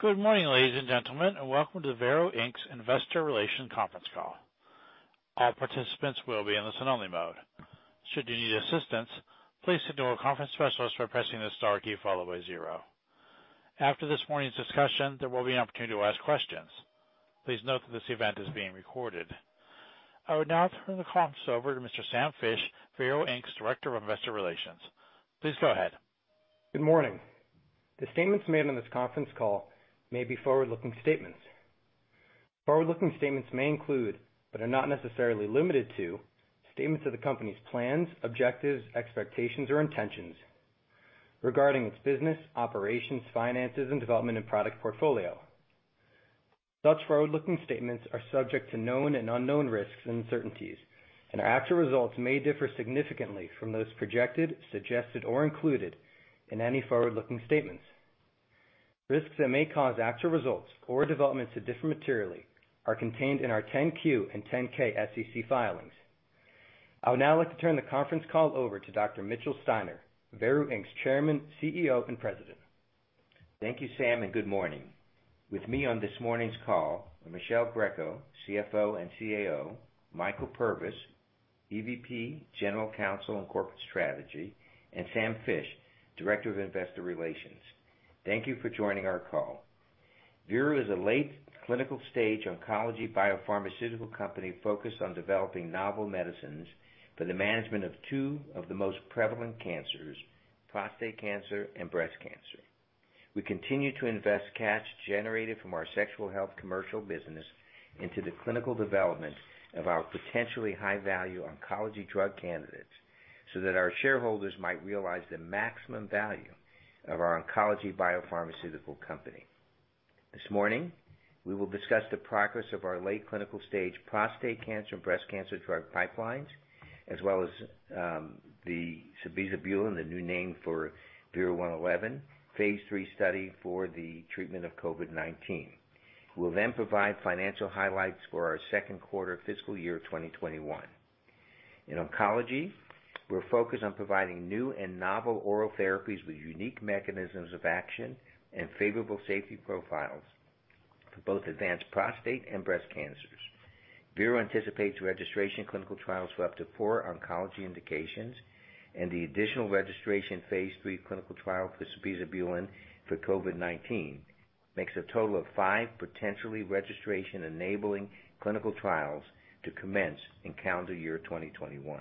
Good morning, ladies and gentlemen, and welcome to the Veru Inc's investor relations conference call. All participants will be in listen only mode. Should you need assistance, please signal a conference specialist by pressing the star key followed by zero. After this morning's discussion, there will be an opportunity to ask questions. Please note that this event is being recorded. I would now turn the console over to Mr. Sam Fisch, Veru Inc's Director of Investor Relations. Please go ahead. Good morning. The statements made on this conference call may be forward-looking statements. Forward-looking statements may include, but are not necessarily limited to, statements of the company's plans, objectives, expectations, or intentions regarding its business, operations, finances, and development and product portfolio. Such forward-looking statements are subject to known and unknown risks and uncertainties, and our actual results may differ significantly from those projected, suggested, or included in any forward-looking statements. Risks that may cause actual results or developments to differ materially are contained in our 10-Q and 10-K SEC filings. I would now like to turn the conference call over to Dr. Mitchell Steiner, Veru Inc's Chairman, CEO, and President. Thank you, Sam, and good morning. With me on this morning's call are Michele Greco, CFO and CAO, Michael Purvis, EVP, General Counsel and Corporate Strategy, and Sam Fisch, Director of Investor Relations. Thank you for joining our call. Veru is a late clinical stage oncology biopharmaceutical company focused on developing novel medicines for the management of two of the most prevalent cancers, prostate cancer and breast cancer. We continue to invest cash generated from our sexual health commercial business into the clinical development of our potentially high-value oncology drug candidates, so that our shareholders might realize the maximum value of our oncology biopharmaceutical company. This morning, we will discuss the progress of our late clinical stage prostate cancer and breast cancer drug pipelines, as well as the sabizabulin, the new name for VERU-111, phase III study for the treatment of COVID-19. We'll then provide financial highlights for our second quarter fiscal year 2021. In oncology, we're focused on providing new and novel oral therapies with unique mechanisms of action and favorable safety profiles for both advanced prostate and breast cancers. Veru anticipates registration clinical trials for up to four oncology indications and the additional registration phase III clinical trial for sabizabulin for COVID-19 makes a total of five potentially registration-enabling clinical trials to commence in calendar year 2021.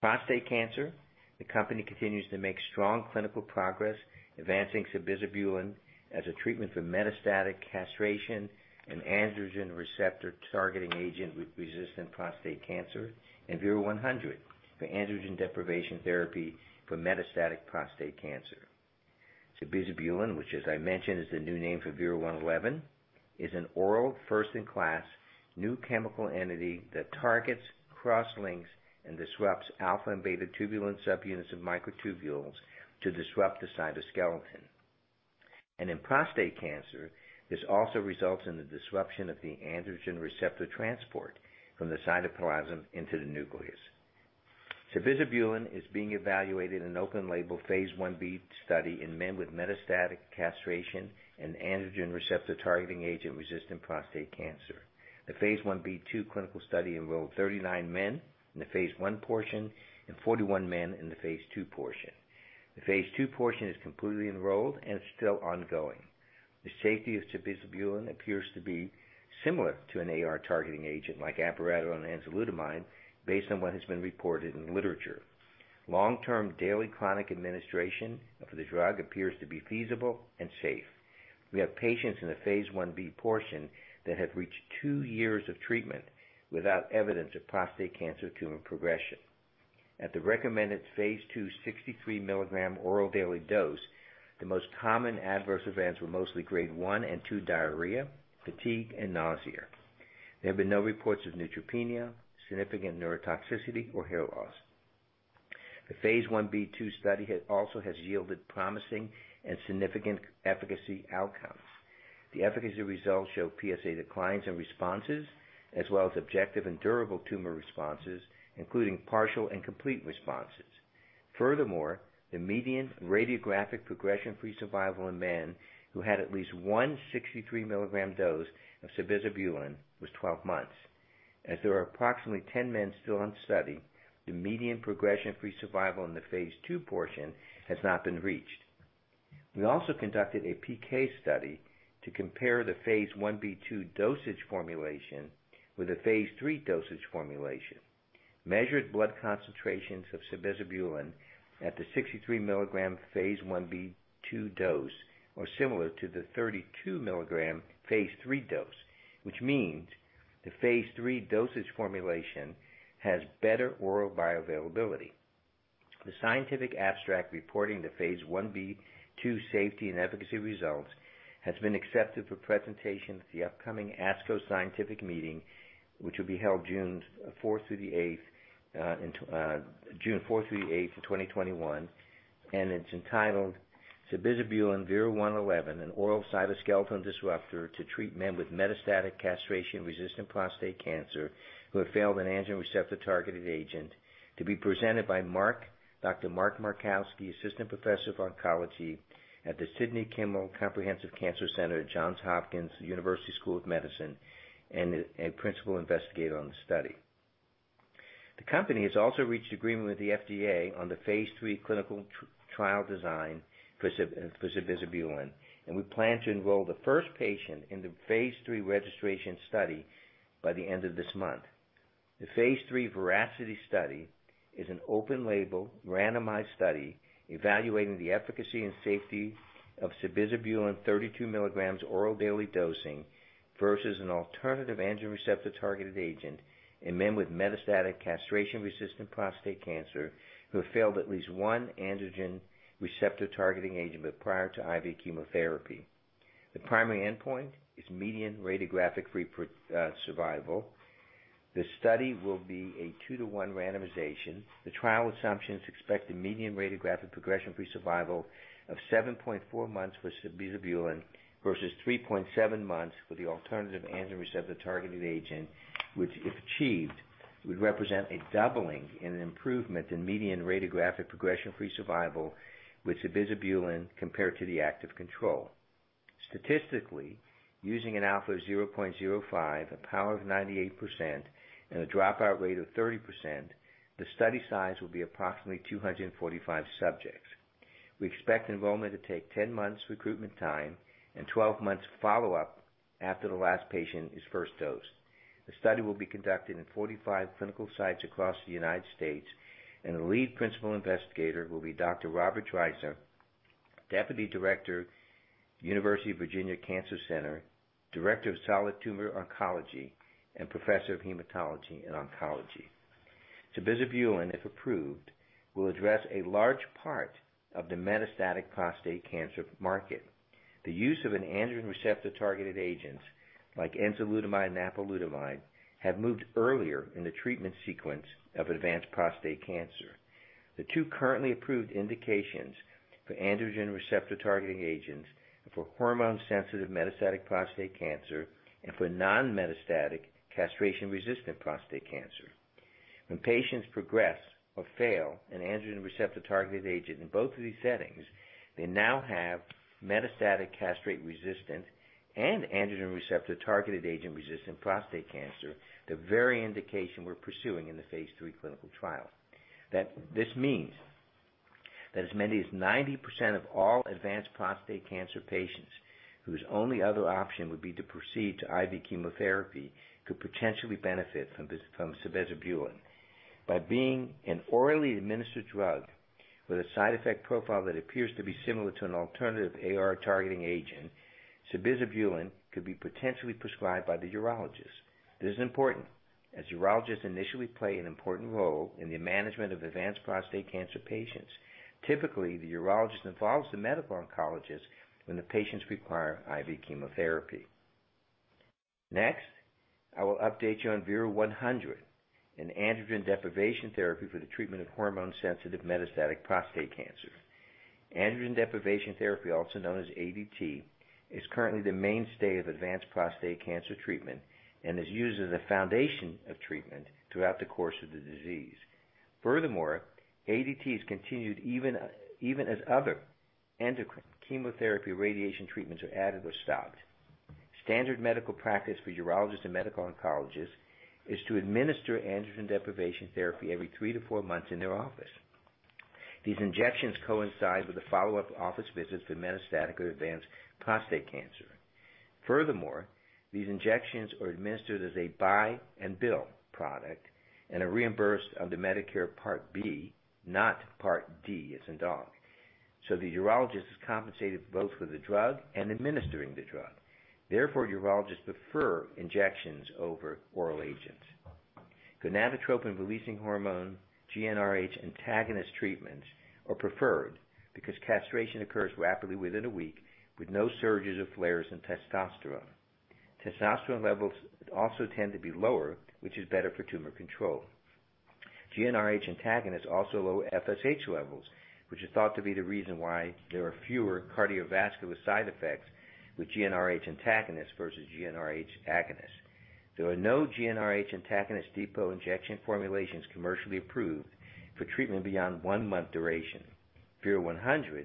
Prostate cancer, the company continues to make strong clinical progress advancing sabizabulin as a treatment for metastatic castration and androgen receptor targeting agent with resistant prostate cancer and VERU-100 for androgen deprivation therapy for metastatic prostate cancer. Sabizabulin, which as I mentioned is the new name for VERU-111, is an oral first-in-class new chemical entity that targets cross-links and disrupts alpha and beta tubulin subunits of microtubules to disrupt the cytoskeleton. In prostate cancer, this also results in the disruption of the androgen receptor transport from the cytoplasm into the nucleus. Sabizabulin is being evaluated in an open-label phase I-B study in men with metastatic castration and androgen receptor targeting agent-resistant prostate cancer. The phase I-B/II clinical study enrolled 39 men in the phase I portion and 41 men in the phase II portion. The phase II portion is completely enrolled and still ongoing. The safety of sabizabulin appears to be similar to an AR targeting agent like abiraterone and enzalutamide based on what has been reported in literature. Long-term daily chronic administration of the drug appears to be feasible and safe. We have patients in the phase I-B portion that have reached 2two years of treatment without evidence of prostate cancer tumor progression. At the recommended phase II 63 mg oral daily dose, the most common adverse events were mostly grade 1 and 2 diarrhea, fatigue, and nausea. There have been no reports of neutropenia, significant neurotoxicity, or hair loss. The phase I-B/II study also has yielded promising and significant efficacy outcomes. The efficacy results show PSA declines in responses, as well as objective and durable tumor responses, including partial and complete responses. Furthermore, the median radiographic progression-free survival in men who had at least one 63 mg dose of sabizabulin was 12 months. There are approximately 10 men still in study, the median progression-free survival in the phase II portion has not been reached. We also conducted a PK study to compare the phase I-B/II dosage formulation with a phase III dosage formulation. Measured blood concentrations of sabizabulin at the 63 mg phase I-B/II dose are similar to the 32 mg phase III dose, which means the phase III dosage formulation has better oral bioavailability. The scientific abstract reporting the phase I-B/II safety and efficacy results has been accepted for presentation at the upcoming ASCO scientific meeting, which will be held June 4th-8th, 2021, and it's entitled: Sabizabulin VERU-111, an oral cytoskeleton disruptor to treat men with metastatic castration-resistant prostate cancer who have failed an androgen receptor-targeted agent, to be presented by Dr. Mark Markowski, Assistant Professor of Oncology at the Sidney Kimmel Comprehensive Cancer Center at Johns Hopkins University School of Medicine, and principal investigator on the study. The company has also reached agreement with the FDA on the phase III clinical trial design for sabizabulin, and we plan to enroll the first patient in the phase III registration study by the end of this month. The phase III VERACITY study is an open-label, randomized study evaluating the efficacy and safety of sabizabulin 32 mg oral daily dosing versus an alternative androgen receptor-targeted agent in men with metastatic castration-resistant prostate cancer who have failed at least one androgen receptor-targeting agent but prior to IV chemotherapy. The primary endpoint is median radiographic-free survival. The study will be a two-to-one randomization. The trial assumption is expected median radiographic progression-free survival of 7.4 months with sabizabulin versus 3.7 months with the alternative androgen receptor-targeted agent, which, if achieved, would represent a doubling in improvement in median radiographic progression-free survival with sabizabulin compared to the active control. Statistically, using an alpha of 0.05, a power of 98%, and a dropout rate of 30%, the study size will be approximately 245 subjects. We expect enrollment to take 10 months' recruitment time and 12 months follow-up after the last patient is first dosed. The study will be conducted in 45 clinical sites across the United States, and the lead principal investigator will be Dr. Robert Dreicer, Deputy Director, University of Virginia Cancer Center, Director of Solid Tumor Oncology, and Professor of Hematology and Oncology. Sabizabulin, if approved, will address a large part of the metastatic prostate cancer market. The use of androgen receptor-targeted agents like enzalutamide and apalutamide have moved earlier in the treatment sequence of advanced prostate cancer. The two currently approved indications for androgen receptor-targeting agents are for hormone-sensitive metastatic prostate cancer and for non-metastatic castration-resistant prostate cancer. When patients progress or fail an androgen receptor-targeted agent in both of these settings, they now have metastatic castration-resistant and androgen receptor-targeted agent-resistant prostate cancer, the very indication we're pursuing in the phase III clinical trial. This means that as many as 90% of all advanced prostate cancer patients whose only other option would be to proceed to IV chemotherapy could potentially benefit from sabizabulin. By being an orally administered drug with a side effect profile that appears to be similar to an alternative AR targeting agent, sabizabulin could be potentially prescribed by the urologist. This is important, as urologists initially play an important role in the management of advanced prostate cancer patients. Typically, the urologist involves the medical oncologist when the patients require IV chemotherapy. Next, I will update you on VERU-100, an androgen deprivation therapy for the treatment of hormone-sensitive metastatic prostate cancer. Androgen deprivation therapy, also known as ADT, is currently the mainstay of advanced prostate cancer treatment and is used as a foundation of treatment throughout the course of the disease. ADT is continued even as other endocrine chemotherapy radiation treatments are added or stopped. Standard medical practice for urologists and medical oncologists is to administer androgen deprivation therapy every three to four months in their office. These injections coincide with the follow-up office visits for metastatic or advanced prostate cancer. These injections are administered as a buy and bill product and are reimbursed under Medicare Part B, not Part D, as in doc. The urologist is compensated both for the drug and administering the drug. Therefore, urologists prefer injections over oral agents. Gonadotropin-releasing hormone, GnRH antagonist treatments are preferred because castration occurs rapidly within a week with no surges or flares in testosterone. Testosterone levels also tend to be lower, which is better for tumor control. GnRH antagonists also lower FSH levels, which is thought to be the reason why there are fewer cardiovascular side effects with GnRH antagonists versus GnRH agonists. There are no GnRH antagonist depot injection formulations commercially approved for treatment beyond one month duration. VERU-100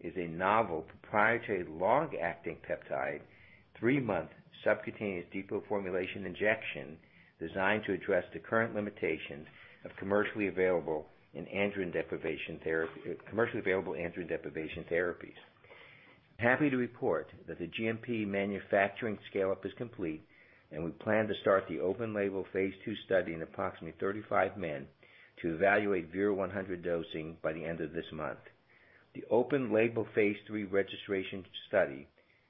is a novel proprietary long-acting peptide, three-month subcutaneous depot formulation injection designed to address the current limitations of commercially available androgen deprivation therapies. Happy to report that the GMP manufacturing scale-up is complete, we plan to start the open-label phase II study in approximately 35 men to evaluate VERU-100 dosing by the end of this month. The open-label phase III registration study,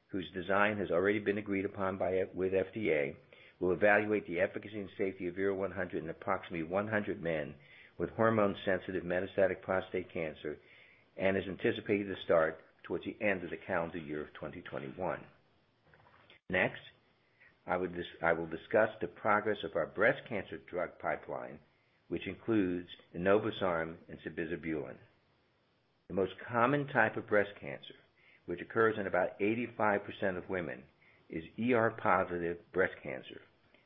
whose design has already been agreed upon with FDA, will evaluate the efficacy and safety of VERU-100 in approximately 100 men with hormone-sensitive metastatic prostate cancer and is anticipated to start towards the end of the calendar year of 2021. Next, I will discuss the progress of our breast cancer drug pipeline, which includes enobosarm and sabizabulin. The most common type of breast cancer, which occurs in about 85% of women, is ER+ breast cancer,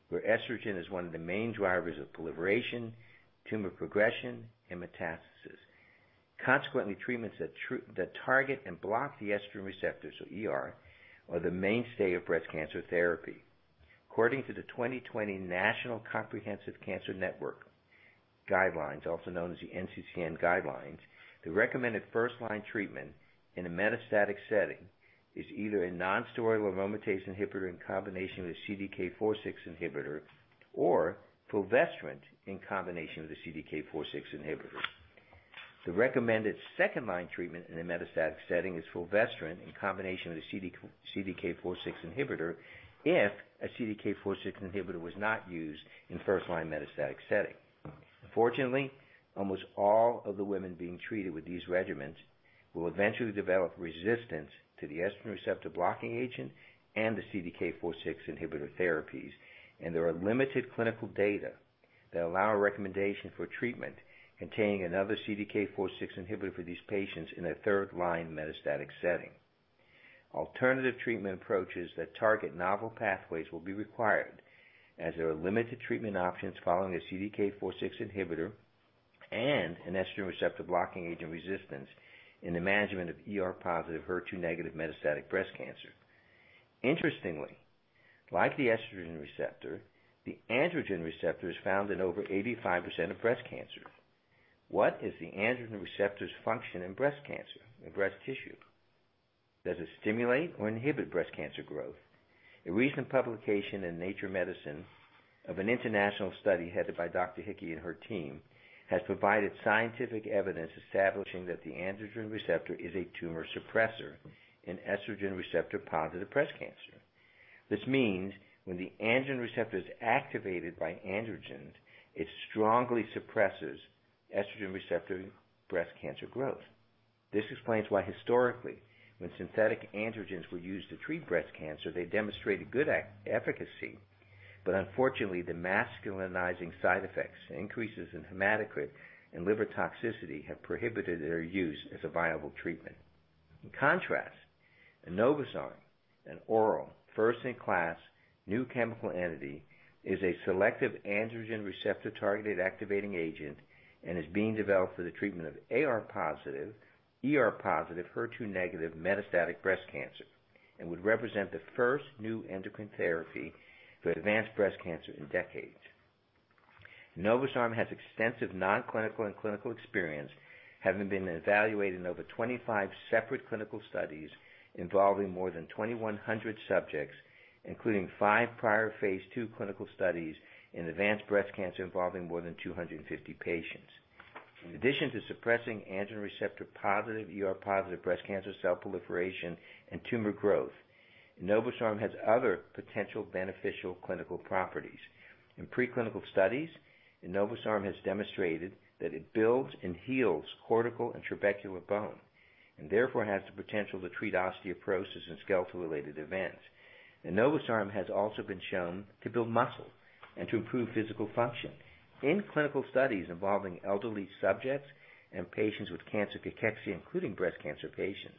where estrogen is one of the main drivers of proliferation, tumor progression, and metastasis. Consequently, treatments that target and block the estrogen receptors, or ER, are the mainstay of breast cancer therapy. According to the 2020 National Comprehensive Cancer Network guidelines, also known as the NCCN guidelines, the recommended first-line treatment in a metastatic setting is either a non-steroidal aromatase inhibitor in combination with a CDK4/6 inhibitor or fulvestrant in combination with a CDK4/6 inhibitor. The recommended second-line treatment in a metastatic setting is fulvestrant in combination with a CDK4/6 inhibitor if a CDK4/6 inhibitor was not used in first-line metastatic setting. Unfortunately, almost all of the women being treated with these regimens will eventually develop resistance to the estrogen receptor blocking agent and the CDK4/6 inhibitor therapies, and there are limited clinical data that allow a recommendation for treatment containing another CDK4/6 inhibitor for these patients in a third-line metastatic setting, Alternative treatment approaches that target novel pathways will be required as there are limited treatment options following a CDK4/6 inhibitor and an estrogen receptor blocking agent resistance in the management of ER+ HER2- metastatic breast cancer. Interestingly, like the estrogen receptor, the androgen receptor is found in over 85% of breast cancer. What is the androgen receptor's function in breast cancer, in breast tissue? Does it stimulate or inhibit breast cancer growth? A recent publication in Nature Medicine of an international study headed by Dr. Hickey and her team has provided scientific evidence establishing that the androgen receptor is a tumor suppressor in estrogen receptor-positive breast cancer. This means when the androgen receptor is activated by androgens, it strongly suppresses estrogen receptor breast cancer growth. This explains why historically, when synthetic androgens were used to treat breast cancer, they demonstrated good efficacy, but unfortunately, the masculinizing side effects, increases in hematocrit, and liver toxicity have prohibited their use as a viable treatment. In contrast, enobosarm, an oral, first-in-class new chemical entity, is a selective androgen receptor-targeted activating agent and is being developed for the treatment of AR+ ER+ HER2- metastatic breast cancer and would represent the first new endocrine therapy for advanced breast cancer in decades. Enobosarm has extensive non-clinical and clinical experience, having been evaluated in over 25 separate clinical studies involving more than 2,100 subjects, including five prior phase II clinical studies in advanced breast cancer involving more than 250 patients. In addition to suppressing [AR+], ER+ breast cancer cell proliferation and tumor growth, enobosarm has other potential beneficial clinical properties. In pre-clinical studies, enobosarm has demonstrated that it builds and heals cortical and trabecular bone, and therefore has the potential to treat osteoporosis and skeletal-related events. Enobosarm has also been shown to build muscle and to improve physical function in clinical studies involving elderly subjects and patients with cancer cachexia, including breast cancer patients.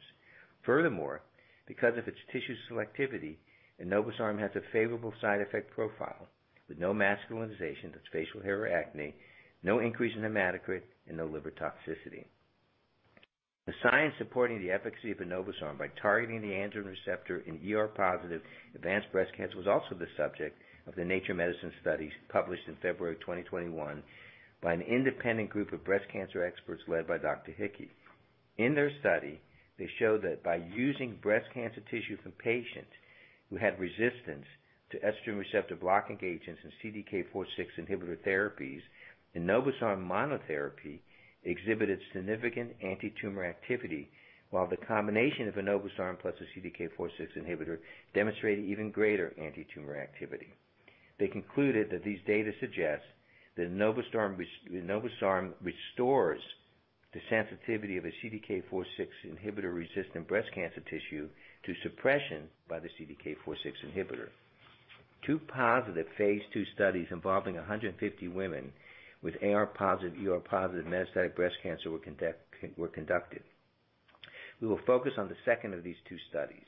Furthermore, because of its tissue selectivity, enobosarm has a favorable side effect profile with no masculinization, that's facial hair or acne, no increase in hematocrit, and no liver toxicity. The science supporting the efficacy of enobosarm by targeting the androgen receptor in ER+ advanced breast cancer was also the subject of the Nature Medicine studies published in February 2021 by an independent group of breast cancer experts led by Dr. Hickey. In their study, they show that by using breast cancer tissue from patients who had resistance to estrogen receptor blocking agents and CDK4/6 inhibitor therapies, enobosarm monotherapy exhibited significant anti-tumor activity, while the combination of enobosarm plus a CDK4/6 inhibitor demonstrated even greater anti-tumor activity. They concluded that these data suggest that enobosarm restores the sensitivity of a CDK4/6 inhibitor-resistant breast cancer tissue to suppression by the CDK4/6 inhibitor. Two positive phase II studies involving 150 women with AR+ ER+ metastatic breast cancer were conducted. We will focus on the second of these two studies,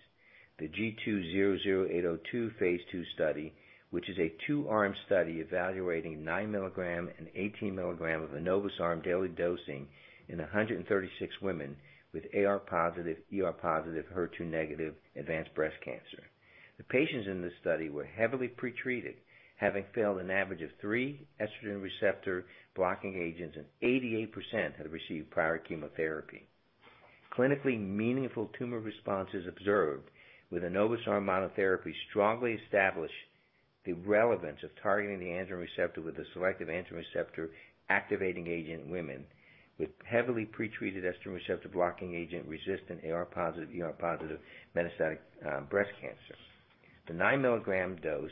the G200802 phase II study, which is a two-arm study evaluating 9 mg and 18 mg of enobosarm daily dosing in 136 women with AR+ ER+ HER2- advanced breast cancer. The patients in this study were heavily pretreated, having failed an average of three estrogen receptor blocking agents, and 88% had received prior chemotherapy. Clinically meaningful tumor responses observed with enobosarm monotherapy strongly establish the relevance of targeting the androgen receptor with a selective androgen receptor-activating agent in women with heavily pretreated estrogen receptor blocking agent-resistant AR-positive, ER-positive metastatic breast cancer. The 9 mg dose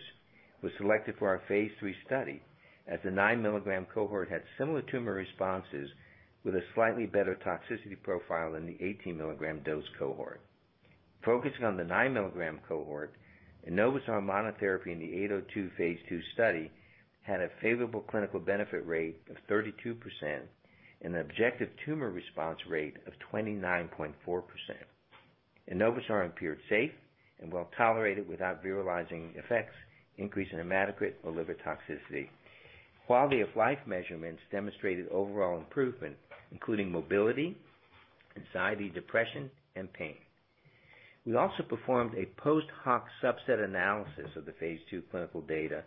was selected for our Phase III study, as the 9 mg cohort had similar tumor responses with a slightly better toxicity profile than the 18 mg dose cohort. Focusing on the 9 mg cohort, enobosarm monotherapy in the G200802 phase II study had a favorable clinical benefit rate of 32% and an objective tumor response rate of 29.4%. Enobosarm appeared safe and well-tolerated without virilizing effects, increase in hematocrit or liver toxicity. Quality of life measurements demonstrated overall improvement, including mobility, anxiety, depression, and pain. We also performed a post hoc subset analysis of the phase II clinical data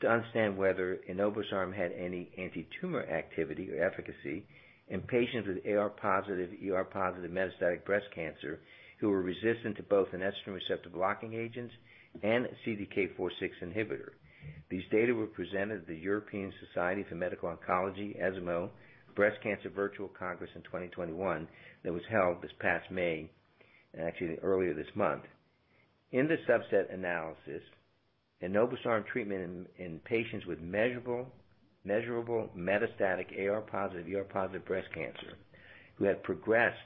to understand whether enobosarm had any anti-tumor activity or efficacy in patients with AR+ ER+ metastatic breast cancer who were resistant to both an estrogen receptor blocking agent and CDK4/6 inhibitor. These data were presented at the European Society for Medical Oncology, ESMO, Breast Cancer Virtual Congress in 2021 that was held this past May, and actually earlier this month. In the subset analysis, enobosarm treatment in patients with measurable metastatic AR+ ER+ breast cancer who had progressed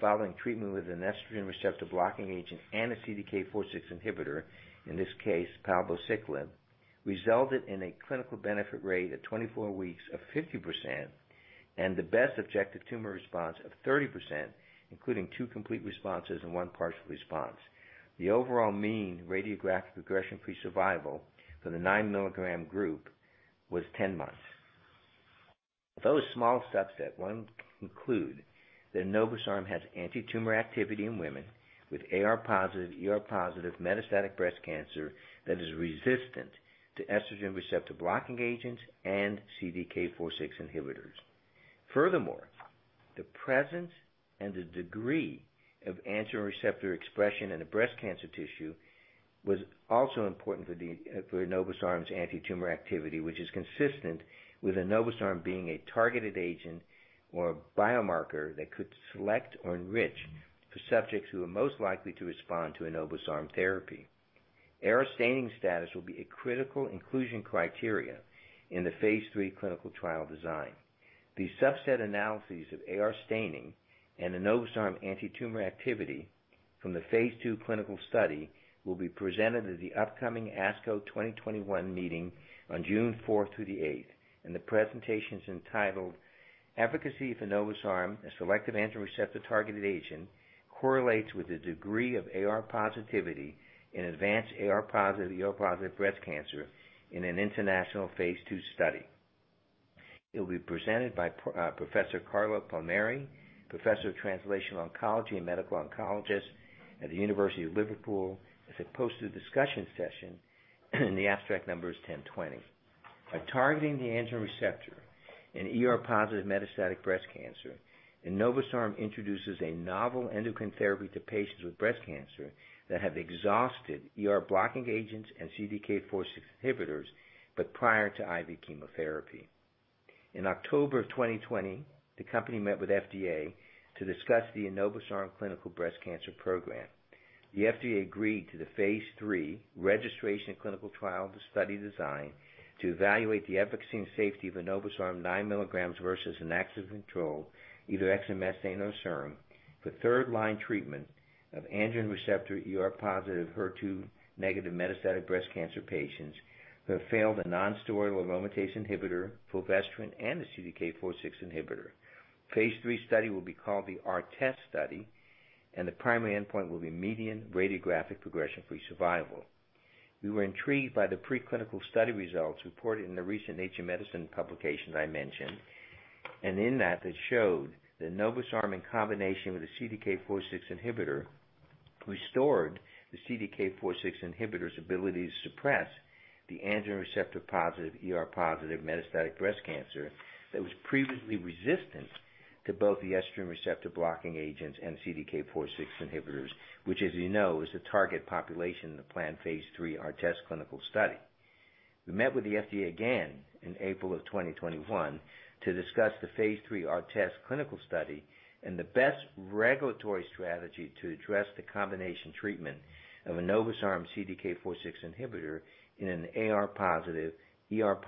following treatment with an estrogen receptor blocking agent and a CDK4/6 inhibitor, in this case palbociclib, resulted in a clinical benefit rate at 24 weeks of 50% and the best objective tumor response of 30%, including two complete responses and one partial response. The overall mean radiographic progression-free survival for the 9 mg group was 10 months. For those small subset, one can conclude that enobosarm has anti-tumor activity in women with AR positive, ER positive metastatic breast cancer that is resistant to estrogen receptor blocking agents and CDK4/6 inhibitors. Furthermore, the presence and the degree of androgen receptor expression in the breast cancer tissue was also important for enobosarm's anti-tumor activity, which is consistent with enobosarm being a targeted agent or a biomarker that could select or enrich for subjects who are most likely to respond to enobosarm therapy. AR staining status will be a critical inclusion criteria in the phase III clinical trial design. The subset analyses of AR staining and enobosarm anti-tumor activity from the phase II clinical study will be presented at the upcoming ASCO 2021 meeting on June 4th-8th. The presentation's entitled: Efficacy of enobosarm, a selective androgen receptor targeted agent, correlates with the degree of AR positivity in advanced AR+ ER+ breast cancer in an international phase II study. It will be presented by Professor Carlo Palmieri, Professor of Translational Oncology and Medical Oncologist at the University of Liverpool as a poster discussion session. The abstract number is 1020. By targeting the androgen receptor in ER+ metastatic breast cancer, enobosarm introduces a novel endocrine therapy to patients with breast cancer that have exhausted ER-blocking agents and CDK4/6 inhibitors. Prior to IV chemotherapy. In October of 2020, the company met with FDA to discuss the enobosarm clinical breast cancer program. The FDA agreed to the phase III registration clinical trial of the study design to evaluate the efficacy and safety of enobosarm nine milligrams versus an active control, either exemestane or SERM, for third-line treatment of androgen receptor ER+ HER2- metastatic breast cancer patients who have failed a non-steroidal aromatase inhibitor, fulvestrant, and a CDK4/6 inhibitor. The phase III study will be called the ARTEST study, and the primary endpoint will be median radiographic progression-free survival. We were intrigued by the pre-clinical study results reported in the recent Nature Medicine publication that I mentioned. In that showed that enobosarm in combination with a CDK4/6 inhibitor restored the CDK4/6 inhibitor's ability to suppress the [AR+] ER+ metastatic breast cancer that was previously resistant to both the estrogen receptor-blocking agents and CDK4/6 inhibitors, which as you know, is the target population in the planned phase III ARTEST clinical study. We met with the FDA again in April of 2021 to discuss the phase III ARTEST clinical study and the best regulatory strategy to address the combination treatment of enobosarm CDK4/6 inhibitor in an AR+ ER+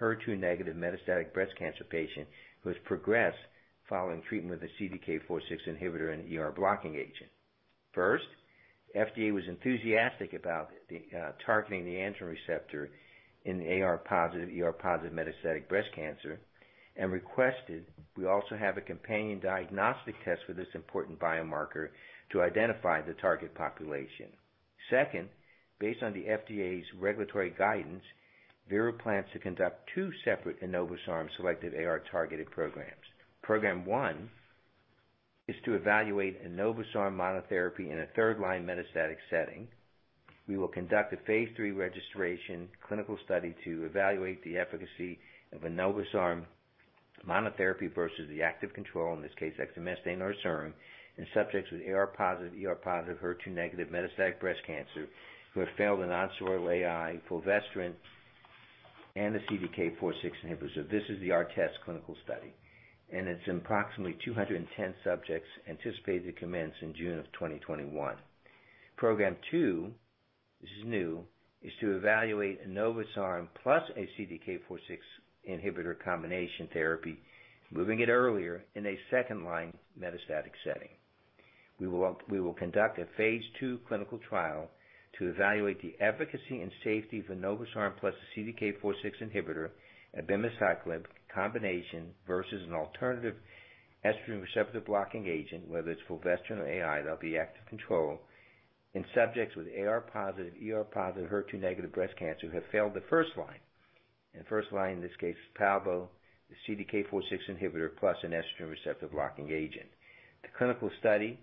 HER2- metastatic breast cancer patient who has progressed following treatment with a CDK4/6 inhibitor and an ER-blocking agent. First, FDA was enthusiastic about targeting the androgen receptor in AR+ ER+ metastatic breast cancer and requested we also have a companion diagnostic test for this important biomarker to identify the target population. Second, based on the FDA's regulatory guidance, Veru plans to conduct two separate enobosarm selective AR-targeted programs. Program one is to evaluate enobosarm monotherapy in a third-line metastatic setting. We will conduct a phase III registration clinical study to evaluate the efficacy of enobosarm monotherapy versus the active control, in this case exemestane or SERM, in subjects with AR+ ER+ HER2- metastatic breast cancer who have failed a non-steroidal AI, fulvestrant and the CDK4/6 inhibitor. This is the ARTEST clinical study, and it's approximately 210 subjects anticipated to commence in June of 2021. Program two, this is new, is to evaluate enobosarm plus a CDK4/6 inhibitor combination therapy, moving it earlier in a second-line metastatic setting. We will conduct a phase II clinical trial to evaluate the efficacy and safety of enobosarm plus a CDK4/6 inhibitor abemaciclib combination versus an alternative estrogen receptor blocking agent, whether it's fulvestrant or AI, that'll be active control, in subjects with AR+ ER+ HER2- breast cancer who have failed the first-line. First-line in this case is palbociclib, the CDK4/6 inhibitor plus an estrogen receptor blocking agent. The clinical study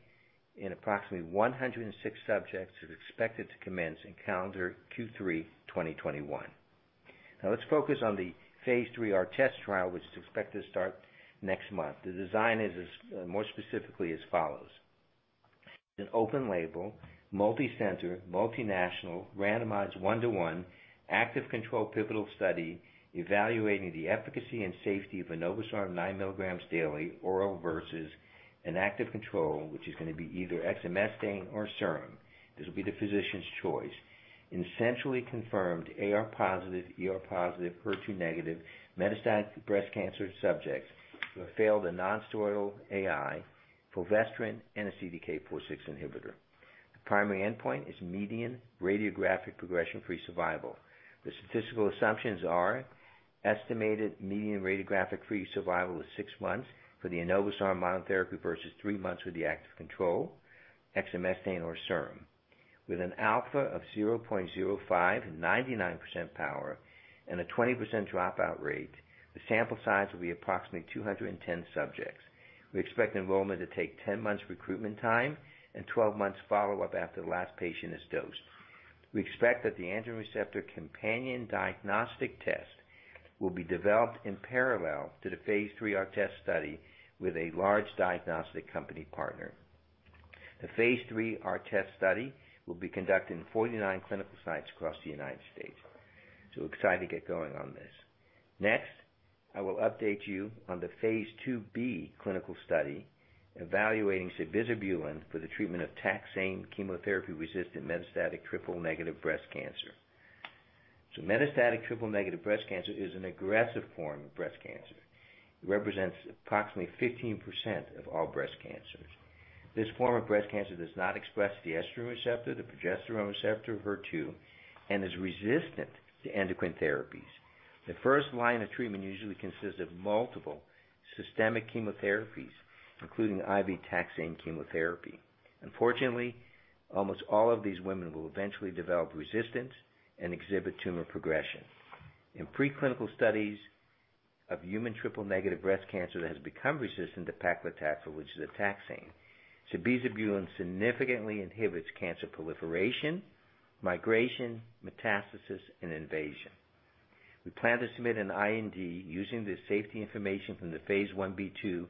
in approximately 106 subjects is expected to commence in calendar Q3 2021. Let's focus on the phase III ARTEST trial, which is expected to start next month. The design is more specifically as follows. An open-label, multicenter, multinational, randomized one-to-one, active control pivotal study evaluating the efficacy and safety of enobosarm 9 mg daily oral versus an active control, which is gonna be either exemestane or SERM. This will be the physician's choice. In centrally confirmed AR+ ER+ HER2- metastatic breast cancer subjects who have failed a non-steroidal AI, fulvestrant, and a CDK4/6 inhibitor. The primary endpoint is median radiographic progression-free survival. The statistical assumptions are estimated median radiographic free survival is six months for the enobosarm monotherapy versus three months with the active control, exemestane or SERM. With an alpha of 0.05 and 99% power and a 20% dropout rate, the sample size will be approximately 210 subjects. We expect enrollment to take 10 months recruitment time and 12 months follow-up after the last patient is dosed. We expect that the androgen receptor companion diagnostic test will be developed in parallel to the phase III ARTEST study with a large diagnostic company partner. The phase III ARTEST study will be conducted in 49 clinical sites across the United States. Excited to get going on this. Next, I will update you on the phase II-B clinical study evaluating sabizabulin for the treatment of taxane chemotherapy-resistant metastatic triple-negative breast cancer. Metastatic triple-negative breast cancer is an aggressive form of breast cancer. It represents approximately 15% of all breast cancers. This form of breast cancer does not express the estrogen receptor, the progesterone receptor, HER2, and is resistant to endocrine therapies. The first line of treatment usually consists of multiple systemic chemotherapies, including IV taxane chemotherapy. Unfortunately, almost all of these women will eventually develop resistance and exhibit tumor progression. In preclinical studies of human triple-negative breast cancer that has become resistant to paclitaxel, which is a taxane, sabizabulin significantly inhibits cancer proliferation, migration, metastasis, and invasion. We plan to submit an IND using the safety information from the phase I-B/II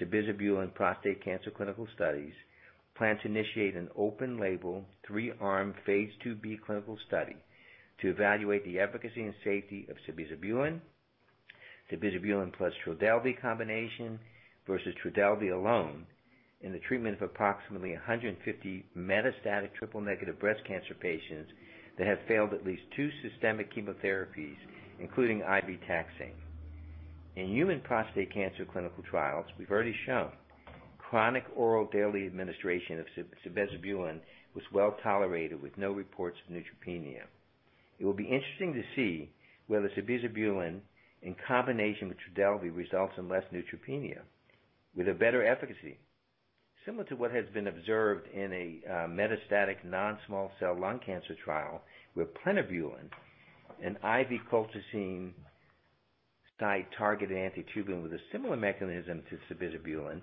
sabizabulin prostate cancer clinical studies. We plan to initiate an open-label, three-arm, phase II-B clinical study to evaluate the efficacy and safety of sabizabulin + Trodelvy combination versus Trodelvy alone in the treatment of approximately 150 metastatic triple negative breast cancer patients that have failed at least two systemic chemotherapies, including IV taxane. In human prostate cancer clinical trials, we've already shown chronic oral daily administration of sabizabulin was well-tolerated with no reports of neutropenia. It will be interesting to see whether sabizabulin in combination with Trodelvy results in less neutropenia with a better efficacy, similar to what has been observed in a metastatic non-small cell lung cancer trial with plinabulin, an IV colchicine site-targeted anti-tubulin with a similar mechanism to sabizabulin,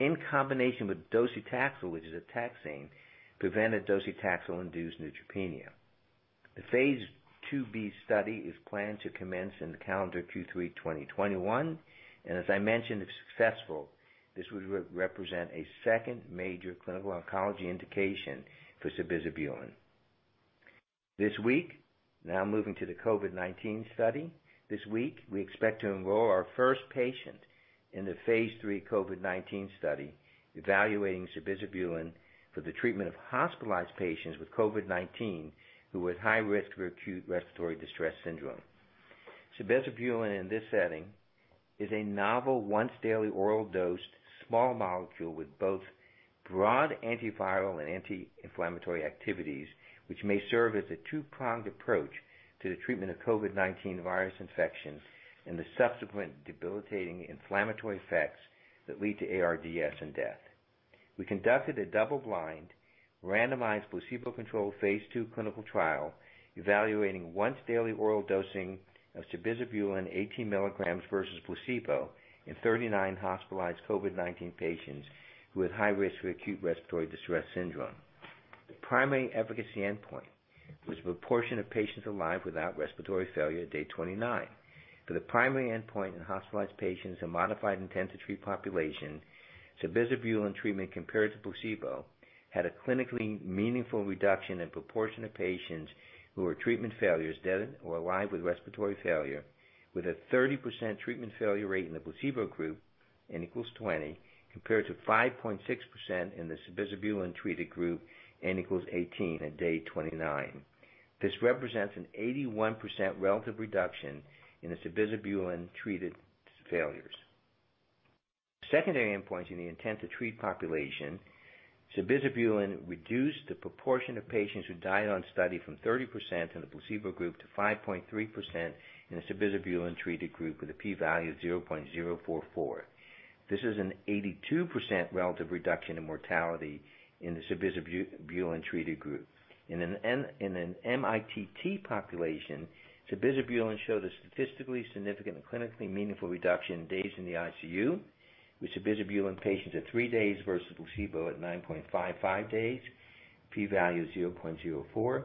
in combination with docetaxel, which is a taxane, prevented docetaxel-induced neutropenia. The phase II-B study is planned to commence in calendar Q3 2021. As I mentioned, if successful, this would represent a second major clinical oncology indication for sabizabulin. This week, now moving to the COVID-19 study. This week, we expect to enroll our first patient in the phase III COVID-19 study evaluating sabizabulin for the treatment of hospitalized patients with COVID-19 who are at high risk for acute respiratory distress syndrome. Sabizabulin in this setting is a novel once daily oral dosed small molecule with both broad antiviral and anti-inflammatory activities, which may serve as a two-pronged approach to the treatment of COVID-19 virus infection and the subsequent debilitating inflammatory effects that lead to ARDS and death. We conducted a double-blind, randomized, placebo-controlled phase II clinical trial evaluating once daily oral dosing of sabizabulin 18 mg versus placebo in 39 hospitalized COVID-19 patients who were at high risk for ARDS. The primary efficacy endpoint was the proportion of patients alive without respiratory failure at day 29. For the primary endpoint in hospitalized patients in modified Intent-To-Treat population, sabizabulin treatment compared to placebo had a clinically meaningful reduction in proportion of patients who were treatment failures, dead or alive, with respiratory failure, with a 30% treatment failure rate in the placebo group, n=20, compared to 5.6% in the sabizabulin-treated group, n=18 at day 29. This represents an 81% relative reduction in the sabizabulin-treated failures. Secondary endpoints in the intent-to-treat population, sabizabulin reduced the proportion of patients who died on study from 30% in the placebo group to 5.3% in the sabizabulin-treated group with a p-value<0.044. This is an 82% relative reduction in mortality in the sabizabulin-treated group. In an mITT population, sabizabulin showed a statistically significant and clinically meaningful reduction in days in the ICU, with sabizabulin patients at three days versus placebo at 9.55 days, p-value<0.04.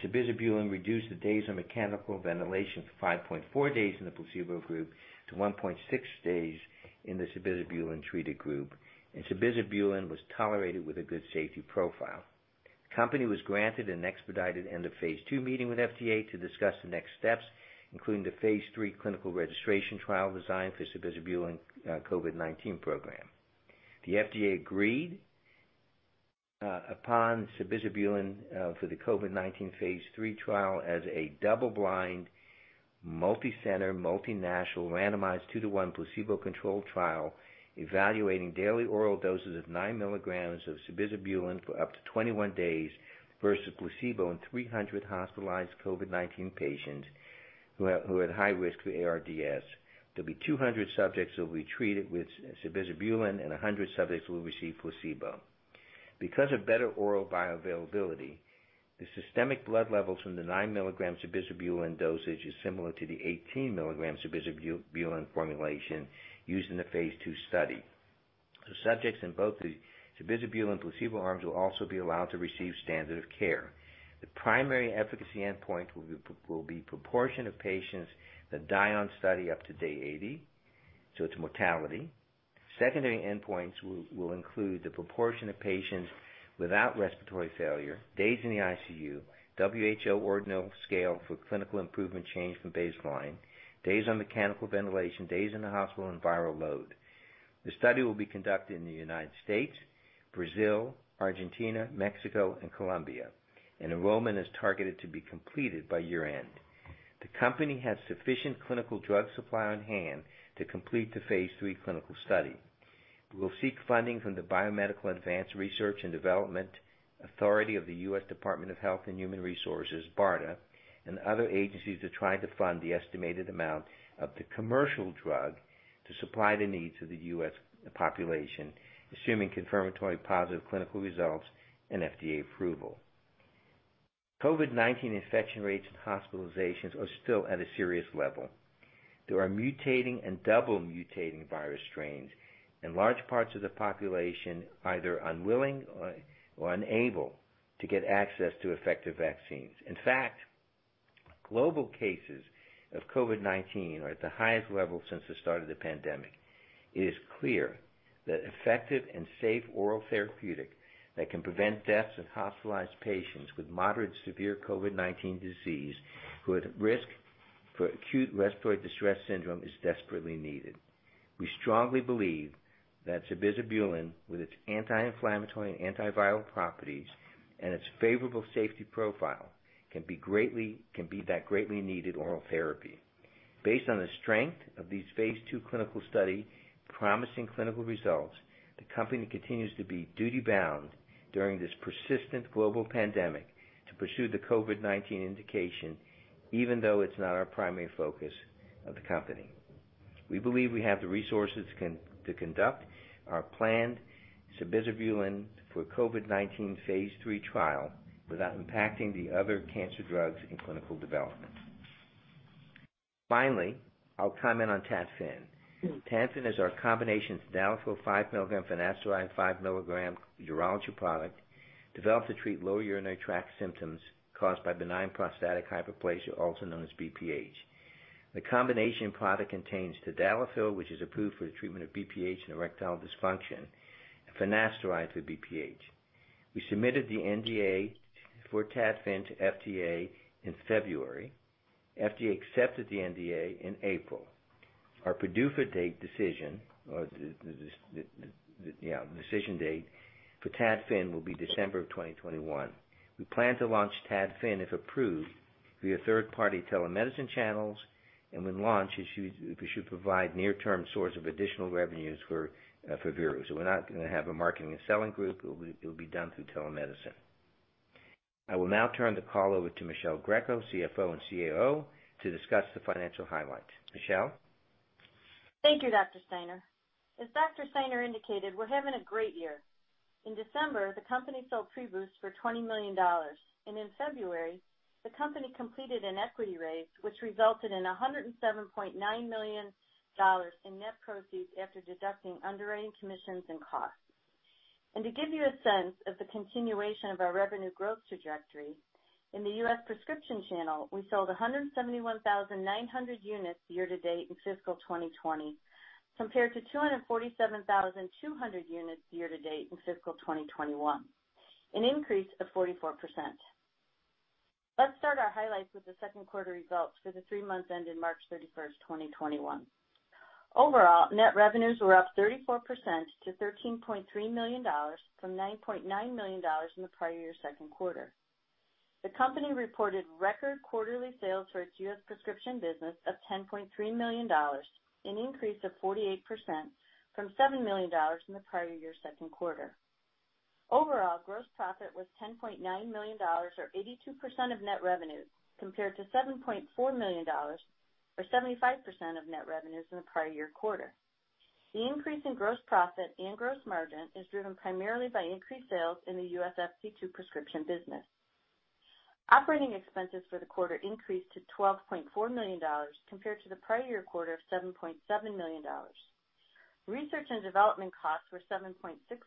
Sabizabulin reduced the days on mechanical ventilation from 5.4 days in the placebo group to 1.6 days in the sabizabulin-treated group, and sabizabulin was tolerated with a good safety profile. The company was granted an expedited end of phase II meeting with FDA to discuss the next steps, including the phase III clinical registration trial design for sabizabulin COVID-19 program. The FDA agreed upon sabizabulin for the COVID-19 phase III trial as a double-blind, multi-center, multinational, randomized 2:1 placebo-controlled trial evaluating daily oral doses of 9 mg of sabizabulin for up to 21 days versus placebo in 300 hospitalized COVID-19 patients who are at high risk for ARDS. There'll be 200 subjects who will be treated with sabizabulin, and 100 subjects who will receive placebo. Because of better oral bioavailability, the systemic blood levels from the 9 mg sabizabulin dosage is similar to the 18 mg sabizabulin formulation used in the phase II study. Subjects in both the sabizabulin placebo arms will also be allowed to receive standard of care. The primary efficacy endpoint will be proportion of patients that die on study up to day 80, it's mortality. Secondary endpoints will include the proportion of patients without respiratory failure, days in the ICU, WHO ordinal scale for clinical improvement change from baseline, days on mechanical ventilation, days in the hospital and viral load. The study will be conducted in the United States, Brazil, Argentina, Mexico, and Colombia. Enrollment is targeted to be completed by year-end. The company has sufficient clinical drug supply on hand to complete the phase III clinical study. We will seek funding from the Biomedical Advanced Research and Development Authority of the U.S. Department of Health and Human Services, BARDA, and other agencies are trying to fund the estimated amount of the commercial drug to supply the needs of the U.S. population, assuming confirmatory positive clinical results and FDA approval. COVID-19 infection rates and hospitalizations are still at a serious level. There are mutating and double-mutating virus strains, and large parts of the population are either unwilling or unable to get access to effective vaccines. In fact, global cases of COVID-19 are at the highest level since the start of the pandemic. It is clear that effective and safe oral therapeutic that can prevent deaths in hospitalized patients with moderate severe COVID-19 disease who are at risk for Acute Respiratory Distress Syndrome is desperately needed. We strongly believe that sabizabulin, with its anti-inflammatory and antiviral properties and its favorable safety profile, can be that greatly needed oral therapy. Based on the strength of these phase II clinical study promising clinical results, the company continues to be duty-bound during this persistent global pandemic to pursue the COVID-19 indication, even though it's not our primary focus of the company. We believe we have the resources to conduct our planned sabizabulin for COVID-19 phase III trial without impacting the other cancer drugs in clinical development. Finally, I'll comment on ENTADFI. ENTADFI is our combination tadalafil 5 mg, finasteride 5 mg urology product developed to treat low urinary tract symptoms caused by benign prostatic hyperplasia, also known as BPH. The combination product contains tadalafil, which is approved for the treatment of BPH and erectile dysfunction, and finasteride for BPH. We submitted the NDA for ENTADFI to FDA in February. FDA accepted the NDA in April. Our PDUFA date decision, or the decision date for ENTADFI will be December of 2021. We plan to launch ENTADFI, if approved, through third-party telemedicine channels. When launched, it should provide near-term source of additional revenues for Veru. We're not going to have a marketing and selling group. It will be done through telemedicine. I will now turn the call over to Michele Greco, CFO and CAO, to discuss the financial highlights. Michele? Thank you, Dr. Steiner. As Dr. Steiner indicated, we're having a great year. In December, the company sold PREBOOST for $20 million, and in February, the company completed an equity raise, which resulted in $107.9 million in net proceeds after deducting underwriting commissions and costs. And to give you a sense of the continuation of our revenue growth trajectory, in the U.S. prescription channel, we sold 171,900 units year-to-date in fiscal 2020, compared to 247,200 units year-to-date in fiscal 2021, an increase of 44%. Let's start our highlights with the second quarter results for the three months ending March 31st, 2021. Overall, net revenues were up 34% to $13.3 million from $9.9 million in the prior-year second quarter. The company reported record quarterly sales for its U.S. prescription business of $10.3 million, an increase of 48% from $7 million in the prior-year second quarter. Overall, gross profit was $10.9 million, or 82% of net revenues, compared to $7.4 million, or 75% of net revenues in the prior-year quarter. The increase in gross profit and gross margin is driven primarily by increased sales in the U.S. FC2 prescription business. Operating expenses for the quarter increased to $12.4 million compared to the prior-year quarter of $7.7 million. Research and development costs were $7.6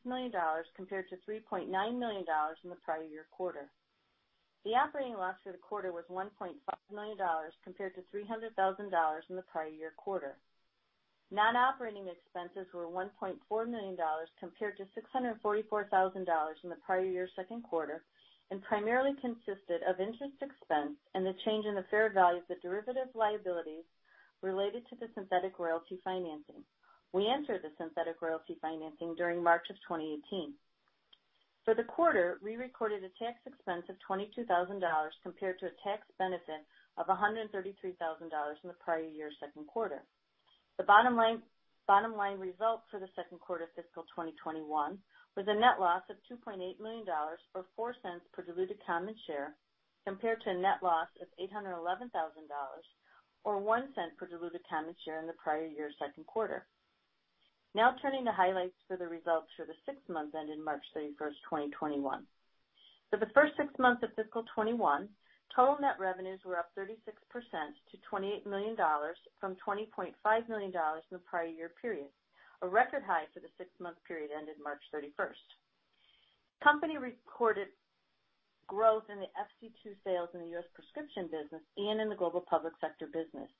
million compared to $3.9 million in the prior-year quarter. The operating loss for the quarter was $1.5 million compared to $300,000 in the prior-year quarter. Non-operating expenses were $1.4 million compared to $644,000 in the prior-year second quarter, and primarily consisted of interest expense and the change in the fair value of the derivative liabilities related to the synthetic royalty financing. We entered the synthetic royalty financing during March of 2018. For the quarter, we recorded a tax expense of $22,000 compared to a tax benefit of $133,000 in the prior-year second quarter. The bottom line results for the second quarter of fiscal 2021 was a net loss of $2.8 million, or $0.04 per diluted common share, compared to a net loss of $811,000, or $0.01 per diluted common share in the prior-year second quarter. Turning to highlights for the results for the six months ending March 31st, 2021. For the first six months of fiscal 2021, total net revenues were up 36% to $28 million from $20.5 million in the prior-year period, a record high for the six-month period ending March 31st. Company recorded growth in the FC2 sales in the U.S. prescription business and in the global public sector business.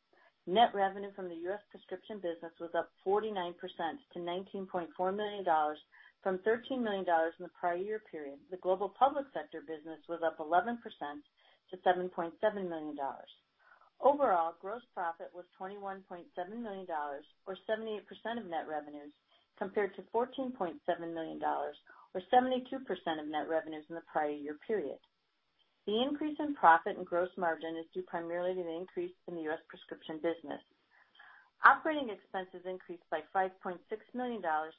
Net revenue from the U.S. prescription business was up 49% to $19.4 million from $13 million in the prior year period. The global public sector business was up 11% to $7.7 million. Overall, gross profit was $21.7 million, or 78% of net revenues, compared to $14.7 million, or 72% of net revenues in the prior year period. The increase in profit and gross margin is due primarily to the increase in the U.S. prescription business. Operating expenses increased by $5.6 million-$22.4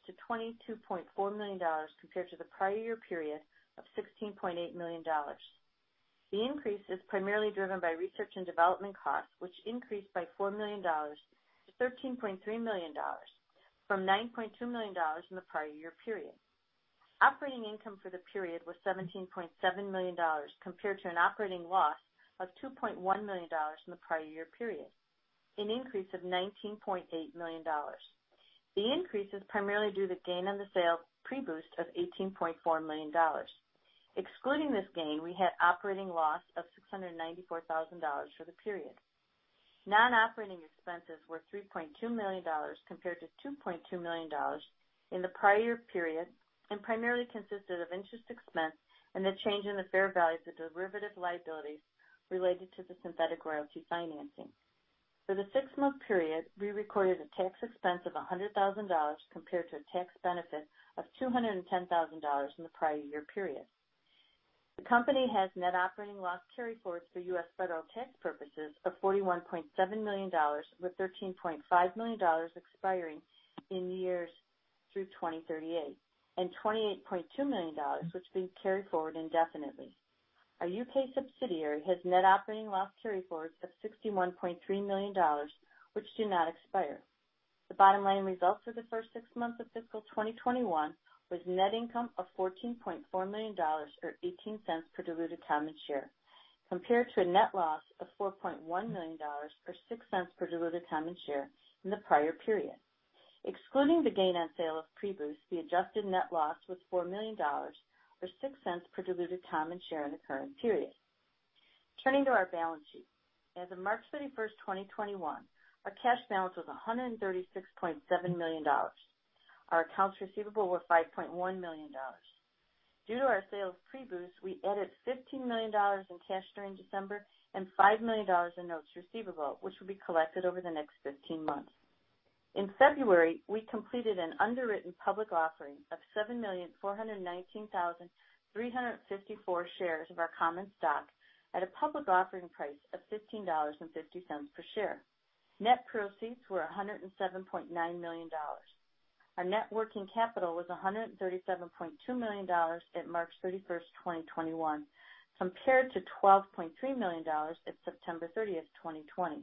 million compared to the prior year period of $16.8 million. The increase is primarily driven by research and development costs, which increased by $4 million-$13.3 million, from $9.2 million in the prior year period. Operating income for the period was $17.7 million compared to an operating loss of $2.1 million in the prior year period, an increase of $19.8 million. The increase is primarily due to gain on the sale of PREBOOST of $18.4 million. Excluding this gain, we had operating loss of $694,000 for the period. Non-operating expenses were $3.2 million compared to $2.2 million in the prior year period, and primarily consisted of interest expense and the change in the fair value of the derivative liabilities related to the synthetic royalty financing. For the six-month period, we recorded a tax expense of $100,000 compared to a tax benefit of $210,000 in the prior year period. The company has net operating loss carryforwards for U.S. federal tax purposes of $41.7 million, with $13.5 million expiring in years through 2038, and $28.2 million, which will be carried forward indefinitely. Our U.K. subsidiary has net operating loss carryforwards of $61.3 million, which do not expire. The bottom line results for the first six months of fiscal 2021 was net income of $14.4 million, or $0.18 per diluted common share, compared to a net loss of $4.1 million or $0.06 per diluted common share in the prior period. Excluding the gain on sale of PREBOOST, the adjusted net loss was $4 million or $0.06 per diluted common share in the current period. Turning to our balance sheet. As of March 31st, 2021, our cash balance was $136.7 million. Our accounts receivable were $5.1 million. Due to our sale of PREBOOST, we added $15 million in cash during December and $5 million in notes receivable, which will be collected over the next 15 months. In February, we completed an underwritten public offering of 7,419,354 shares of our common stock at a public offering price of $15.50 per share. Net proceeds were $107.9 million. Our net working capital was $137.2 million at March 31st, 2021, compared to $12.3 million at September 30th, 2020.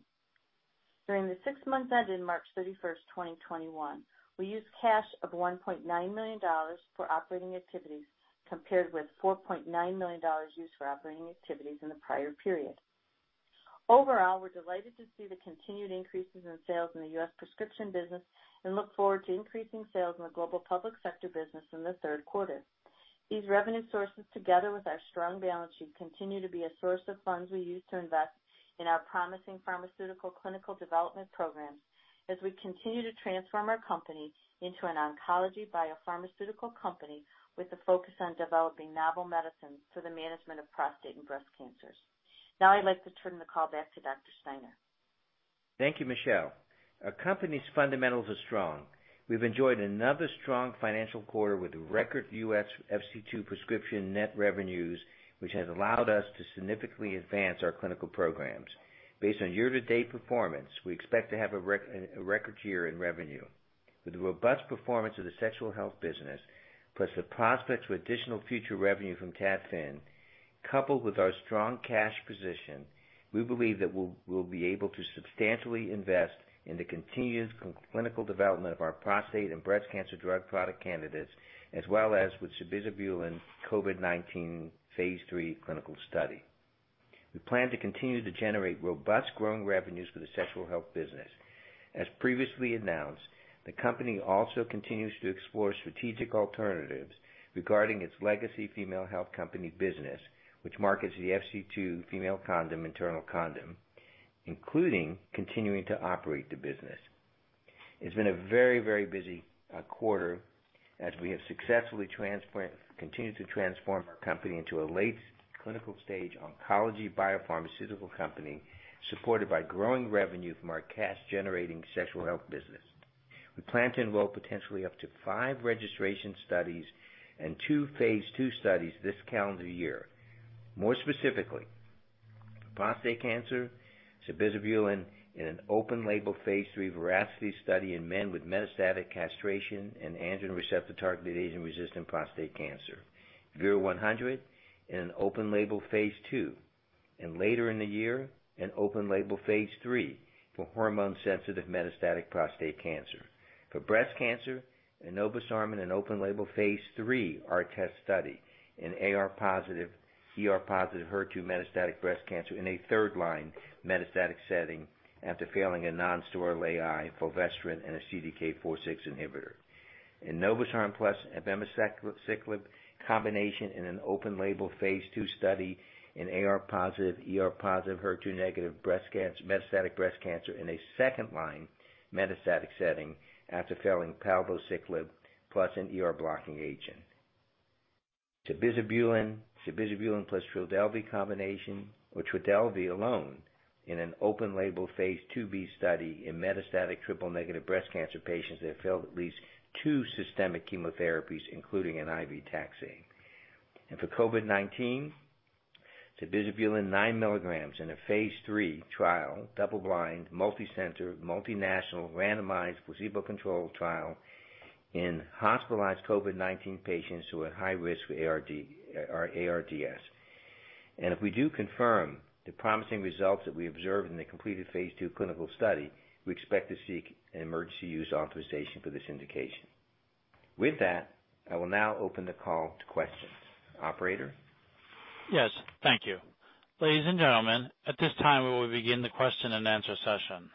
During the six months ending March 31st, 2021, we used cash of $1.9 million for operating activities, compared with $4.9 million used for operating activities in the prior period. Overall, we're delighted to see the continued increases in sales in the U.S. prescription business, and look forward to increasing sales in the global public sector business in the third quarter. These revenue sources, together with our strong balance sheet, continue to be a source of funds we use to invest in our promising pharmaceutical clinical development programs as we continue to transform our company into an oncology biopharmaceutical company with a focus on developing novel medicines for the management of prostate and breast cancers. Now I'd like to turn the call back to Dr. Steiner. Thank you, Michele. Our company's fundamentals are strong. We've enjoyed another strong financial quarter with record U.S. FC2 prescription net revenues, which has allowed us to significantly advance our clinical programs. Based on year-to-date performance, we expect to have a record year in revenue. With the robust performance of the sexual health business, plus the prospects for additional future revenue from ENTADFI, coupled with our strong cash position, we believe that we'll be able to substantially invest in the continued clinical development of our prostate and breast cancer drug product candidates, as well as with sabizabulin COVID-19 phase III clinical study. We plan to continue to generate robust growing revenues for the sexual health business. As previously announced, the company also continues to explore strategic alternatives regarding its legacy Female Health Company business, which markets the FC2 Female Condom Internal Condom, including continuing to operate the business. It's been a very busy quarter as we have successfully continued to transform our company into a late-clinical stage oncology biopharmaceutical company, supported by growing revenue from our cash-generating sexual health business. We plan to enroll potentially up to five registration studies and two phase II studies this calendar year. More specifically, prostate cancer sabizabulin in an open-label phase III VERACITY study in men with metastatic castration and androgen receptor targeted agent-resistant prostate cancer. VERU-100 in an open-label phase II, and later in the year, an open-label phase III for hormone-sensitive metastatic prostate cancer. For breast cancer, enobosarm in an open-label phase III ARTEST study in AR+ ER+ HER2- metastatic breast cancer in a third-line metastatic setting after failing a non-steroidal AI, fulvestrant, and a CDK4/6 inhibitor. Enobosarm + abemaciclib combination in an open-label phase II study in AR+ ER+ HER2- metastatic breast cancer in a second-line metastatic setting after failing palbociclib plus an ER-blocking agent. Sabizabulin + Trodelvy combination or Trodelvy alone in an open-label phase II-B study in metastatic triple negative breast cancer patients that have failed at least two systemic chemotherapies, including an IV taxane. For COVID-19, sabizabulin 9 mg in a phase III trial, double blind, multi-center, multinational, randomized, placebo-controlled trial in hospitalized COVID-19 patients who are at high risk for ARDS. If we do confirm the promising results that we observed in the completed phase II clinical study, we expect to seek an emergency use authorization for this indication. With that, I will now open the call to questions. Operator? Yes. Thank you. Ladies and gentlemen, at this time, we will begin the question and answer session.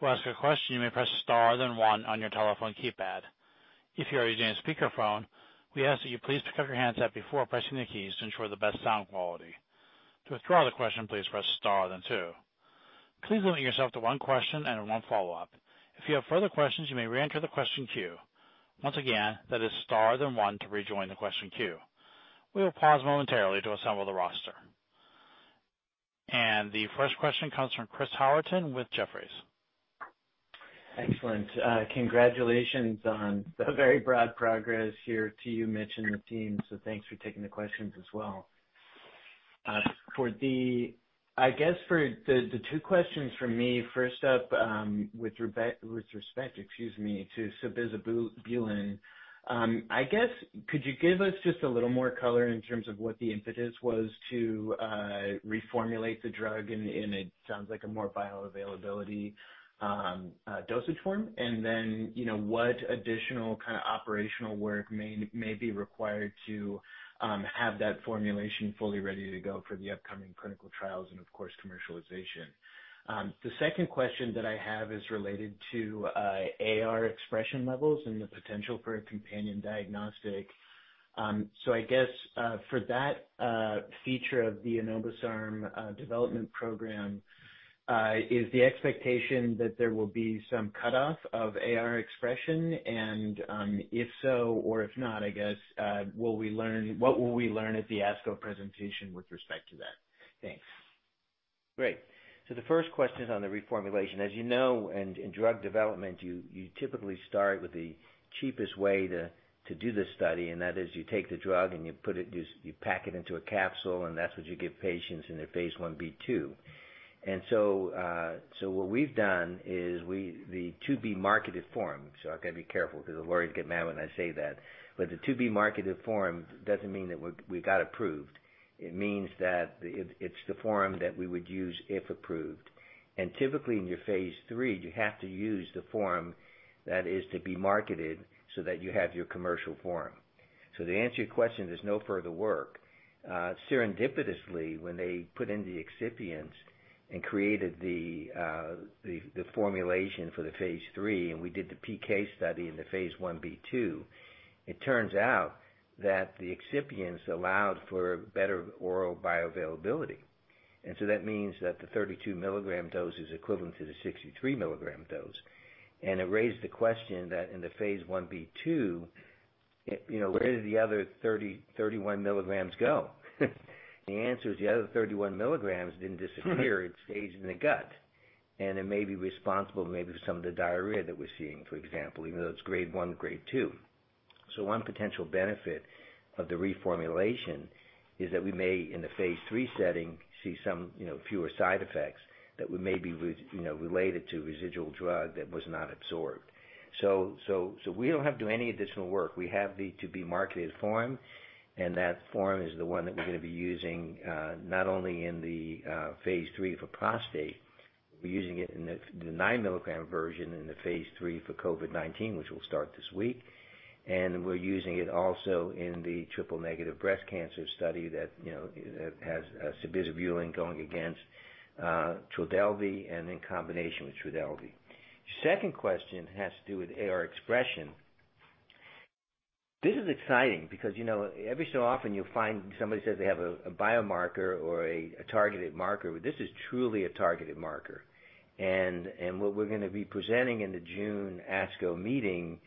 To ask a question, you may press star then one on your telephone keypad. If you are using a speakerphone, we ask that you please pick up your handset before pressing the keys to ensure the best sound quality. To withdraw the question, please press star then two. Please limit yourself to one question and one follow-up. If you have further questions, you may reenter the question queue. Once again, that is star then one to rejoin the question queue. We will pause momentarily to assemble the roster. And the first question comes from Chris Howerton with Jefferies. Excellent. Congratulations on the very broad progress here to you, Mitch, and the team. Thanks for taking the questions as well. I guess for the two questions from me. First up, with respect to sabizabulin, could you give us just a little more color in terms of what the impetus was to reformulate the drug in, it sounds like a more bioavailability dosage form? Then, you know, what additional kind of operational work may be required to have that formulation fully ready to go for the upcoming clinical trials and of course, commercialization? The second question that I have is related to AR expression levels and the potential for a companion diagnostic. You know, I guess, for that feature of the enobosarm development program, is the expectation that there will be some cutoff of AR expression? If so, or if not, what will we learn at the ASCO presentation with respect to that? Thanks. Great. The first question is on the reformulation. As you know, in drug development, you typically start with the cheapest way to do the study, and that is you take the drug and you pack it into a capsule, and that's what you give patients in their phase I-B/II. And so, what we've done is the to-be-marketed form. I've got to be careful because the lawyers get mad when I say that. The to-be-marketed form doesn't mean that we got approved. It means that it's the form that we would use if approved. Typically in your phase III, you have to use the form that is to be marketed so that you have your commercial form. To answer your question, there's no further work. Serendipitously, when they put in the excipients and created the formulation for the phase III, and we did the PK study in the phase I-B/II, it turns out that the excipients allowed for better oral bioavailability. That means that the 32 mg dose is equivalent to the 63 mg dose. It raised the question that in the phase I-B/II, you know, where did the other 31 mg go? The answer is, the other 31 mg didn't disappear. It stays in the gut, and it may be responsible maybe for some of the diarrhea that we're seeing, for example, even though it's grade 1, grade 2. One potential benefit of the reformulation is that we may, in the phase III setting, see some, you know, fewer side effects that were maybe, you know, related to residual drug that was not absorbed. So we don't have to do any additional work. We have the to-be-marketed form, and that form is the one that we're going to be using, not only in the phase III for prostate, we're using it in the 9 mg version in the phase III for COVID-19, which will start this week. And we're using it also in the triple-negative breast cancer study that, you know, has sabizabulin going against Trodelvy and in combination with Trodelvy. Second question has to do with AR expression. This is exciting because every so often you'll find somebody says they have a biomarker or a targeted marker, but this is truly a targeted marker. And what we're going to be presenting in the June ASCO meeting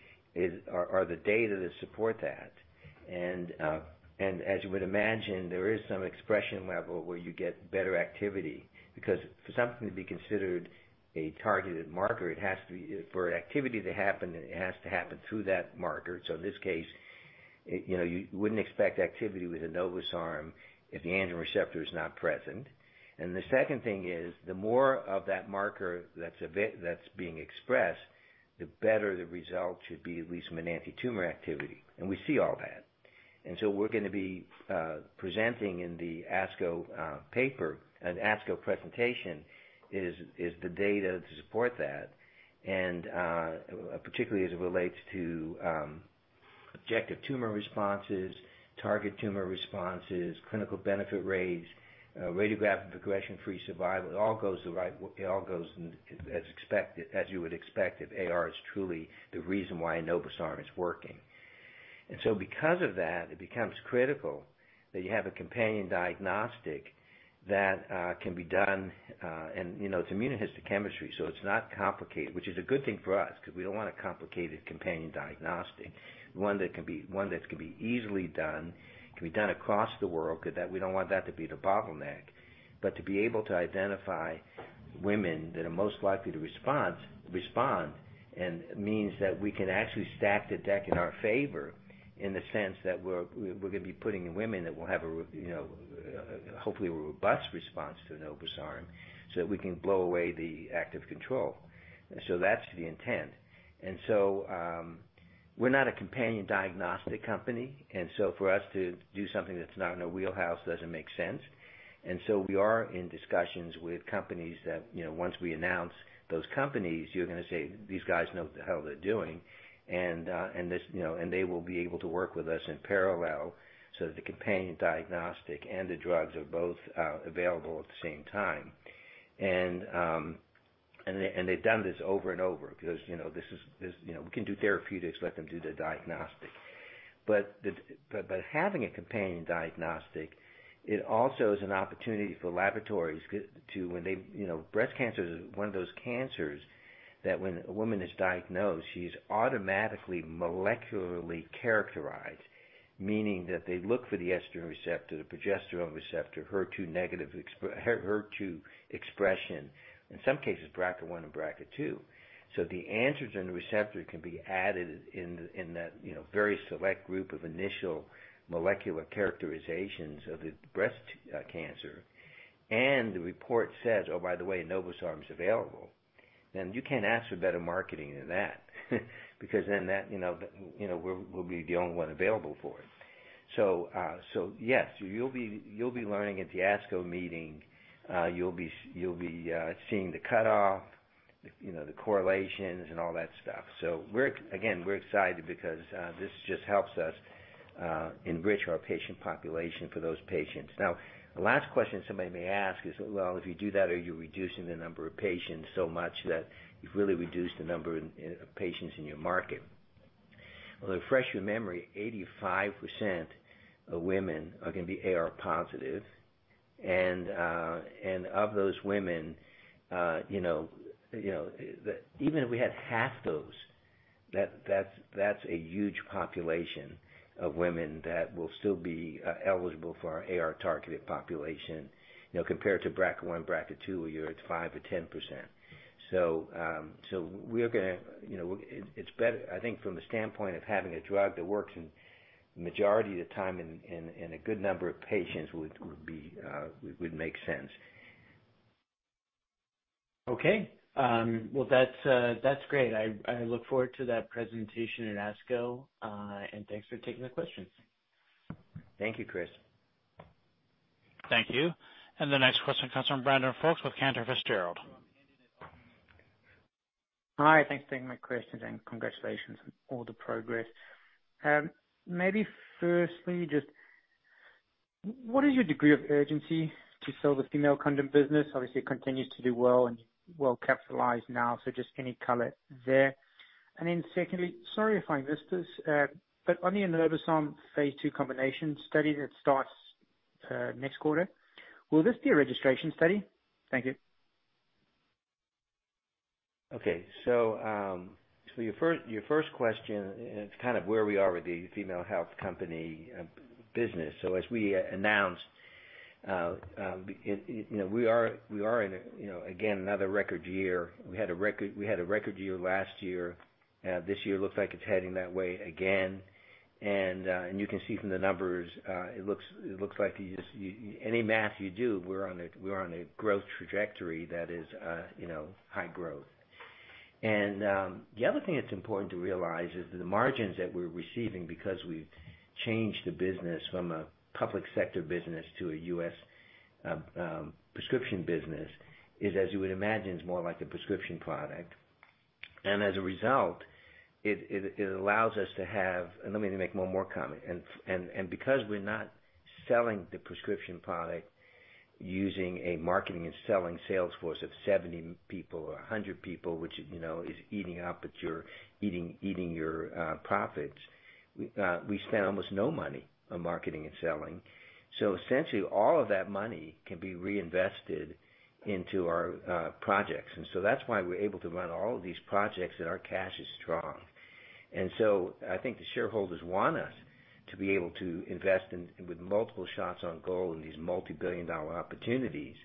are the data that support that. As you would imagine, there is some expression level where you get better activity, because for something to be considered a targeted marker, for an activity to happen, it has to happen through that marker. In this case, you know, you wouldn't expect activity with enobosarm if the androgen receptor is not present. The second thing is, the more of that marker that's being expressed, the better the result should be, at least from an anti-tumor activity. We see all that. And so we're going to be presenting in the ASCO paper, an ASCO presentation, is the data to support that, and particularly as it relates to objective tumor responses, target tumor responses, clinical benefit rates, radiograph and progression-free survival. It all goes as you would expect, if AR is truly the reason why enobosarm is working. And so, because of that, it becomes critical that you have a companion diagnostic that can be done. It's immunohistochemistry, so it's not complicated, which is a good thing for us, because we don't want a complicated companion diagnostic. One that can be easily done, can be done across the world, because we don't want that to be the bottleneck. But to be able to identify women that are most likely to respond, and means that we can actually stack the deck in our favor in the sense that we're going to be putting in women that will have, you know, hopefully, a robust response to enobosarm so that we can blow away the active control. So that's the intent. We're not a companion diagnostic company, and so for us to do something that's not in our wheelhouse doesn't make sense. And so we are in discussions with companies that, once we announce those companies, you're going to say, these guys know what the hell they're doing. You know, they will be able to work with us in parallel, so that the companion diagnostic and the drugs are both available at the same time. They've done this over and over because, you know, we can do therapeutics, let them do the diagnostic. But having a companion diagnostic, it also is an opportunity for laboratories. Breast cancer is one of those cancers that when a woman is diagnosed, she's automatically molecularly characterized, meaning that they look for the estrogen receptor, the progesterone receptor, HER2-negative expression, HER2 expression, in some cases, BRCA1 and BRCA2. The androgen receptor can be added in that very select group of initial molecular characterizations of the breast cancer. The report says, oh, by the way, enobosarm is available. You can't ask for better marketing than that. Because then, you know, we'll be the only one available for it. So yes. You'll be learning at the ASCO meeting. You'll be seeing the cutoff, the correlations, and all that stuff. Again, we're excited because this just helps us enrich our patient population for those patients. Now, the last question somebody may ask is, well, if you do that, are you reducing the number of patients so much that you've really reduced the number of patients in your market? Well, to refresh your memory, 85% of women are going to be AR+. And of those women, you know, even if we had half those, that's a huge population of women that will still be eligible for our AR targeted population, you know, compared to BRCA1 and BRCA2, where it's 5%-10%. You know, it's better, I think, from the standpoint of having a drug that works the majority of the time in a good number of patients would make sense. Okay. Well, that's great. I look forward to that presentation at ASCO, and thanks for taking the questions. Thank you, Chris. Thank you. The next question comes from Brandon Folkes with Cantor Fitzgerald. Hi. Thanks for taking my questions, congratulations on all the progress. Maybe firstly, just what is your degree of urgency to sell the Female Condom business? Obviously, it continues to do well and is well capitalized now. Just any color there. Secondly, sorry if I missed this, but on the enobosarm phase II combination study that starts next quarter, will this be a registration study? Thank you. Okay. Your first question, it's kind of where we are with the Female Health Company business. As we announced, you know, we are in, again, another record year. We had a record year last year. This year looks like it's heading that way again. You can see from the numbers, it looks like any math you do, we're on a growth trajectory that is high growth. The other thing that's important to realize is the margins that we're receiving because we've changed the business from a public sector business to a U.S. prescription business is, as you would imagine, is more like a prescription product. And as a result, it allows us to have—let me make one more comment. And because we're not selling the prescription product using a marketing and selling sales force of 70 people or 100 people, which, you know, is eating up your profits, we spend almost no money on marketing and selling. So essentially, all of that money can be reinvested into our projects. That's why we're able to run all of these projects, and our cash is strong. And so, I think the shareholders want us to be able to invest in with multiple shots on goal in these multi-billion dollar opportunities.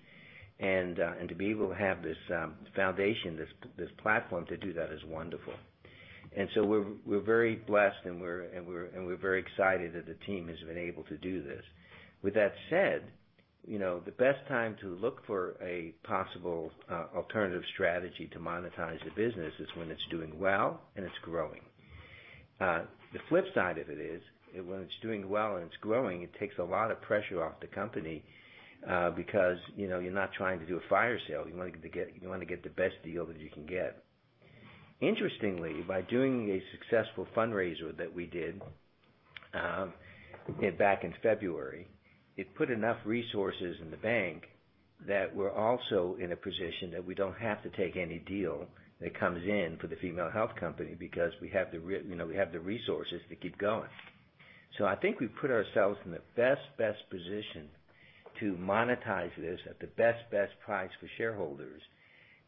To be able to have this foundation, this platform to do that is wonderful. We're very blessed and we're very excited that the team has been able to do this. With that said, you know, the best time to look for a possible alternative strategy to monetize the business is when it's doing well and it's growing. The flip side of it is when it's doing well and it's growing, it takes a lot of pressure off the company because, you know, you're not trying to do a fire sale. You want to get the best deal that you can get. Interestingly, by doing a successful fundraiser that we did back in February, it put enough resources in the bank that we're also in a position that we don't have to take any deal that comes in for the Female Health Company because, you know, we have the resources to keep going. I think we've put ourselves in the best position to monetize this at the best price for shareholders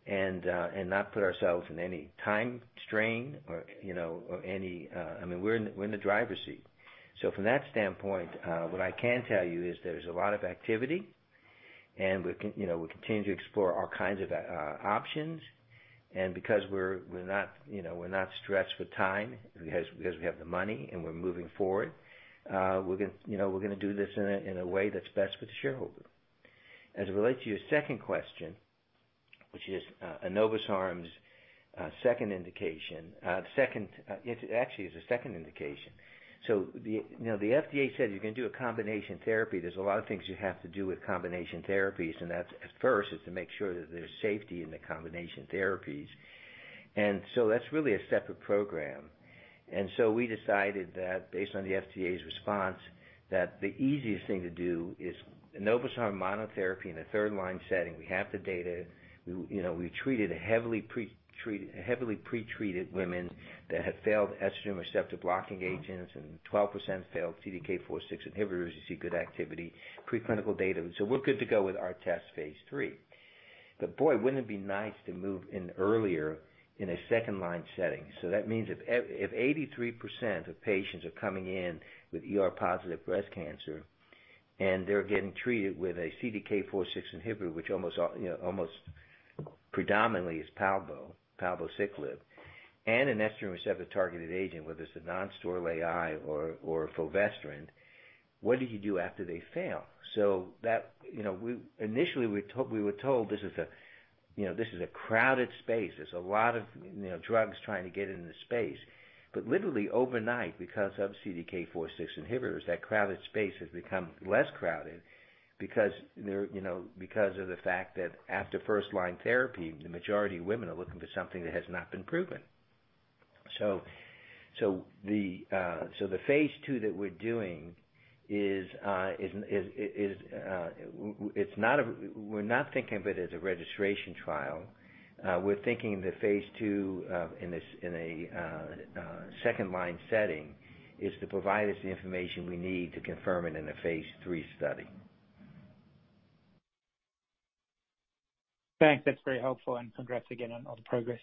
and not put ourselves in any time strain. We're in the driver's seat. So from that standpoint, what I can tell you is there's a lot of activity, and we, you know, continue to explore all kinds of options. Because, you know, we're not stressed with time, because we have the money and we're moving forward, you know, we're going to do this in a way that's best for the shareholder. As it relates to your second question, which is enobosarm's second indication. It actually is a second indication. You know, the FDA said you can do a combination therapy. There's a lot of things you have to do with combination therapies, and that first is to make sure that there's safety in the combination therapies. And so that's really a separate program. And so we decided that based on the FDA's response, that the easiest thing to do is enobosarm monotherapy in a third line setting. We have the data. You know, we treated heavily pre-treated women that had failed estrogen receptor blocking agents, and 12% failed CDK4/6 inhibitors. You see good activity, preclinical data. We're good to go with our test phase III. But boy, wouldn't it be nice to move in earlier in a second-line setting? That means if 83% of patients are coming in with ER+ breast cancer and they're getting treated with a CDK4/6 inhibitor, which almost predominantly is palbociclib, and an estrogen receptor targeted agent, whether it's a nonsteroidal AI or fulvestrant, what do you do after they fail? Initially, we were told, you know, this is a crowded space. There's a lot of, you know, drugs trying to get into the space. Literally overnight, because of CDK4/6 inhibitors, that crowded space has become less crowded, you know, because of the fact that after first-line therapy, the majority of women are looking for something that has not been proven. So the phase II that we're doing, we're not thinking of it as a registration trial. We're thinking the phase II in a second line setting is to provide us the information we need to confirm it in a phase III study. Thanks. That's very helpful, and congrats again on all the progress.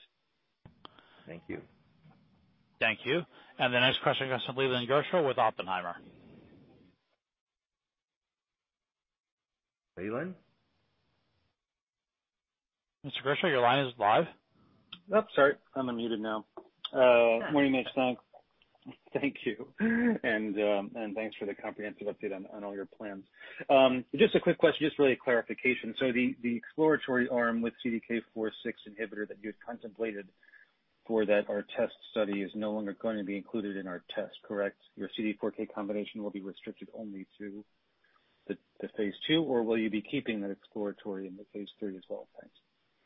Thank you. Thank you. And the next question goes to Leland Gershell with Oppenheimer. Leland? Mr. Gershell, your line is live. Sorry. I'm unmuted now. Morning, Mitch. Thank you. Thanks for the comprehensive update on all your plans. Just a quick question, just really a clarification. The exploratory arm with CDK4/6 inhibitor that you had contemplated for that ARTEST study is no longer going to be included in ARTEST, correct? Your CDK4/6 combination will be restricted only to the phase II, or will you be keeping that exploratory in the phase III as well? Thanks.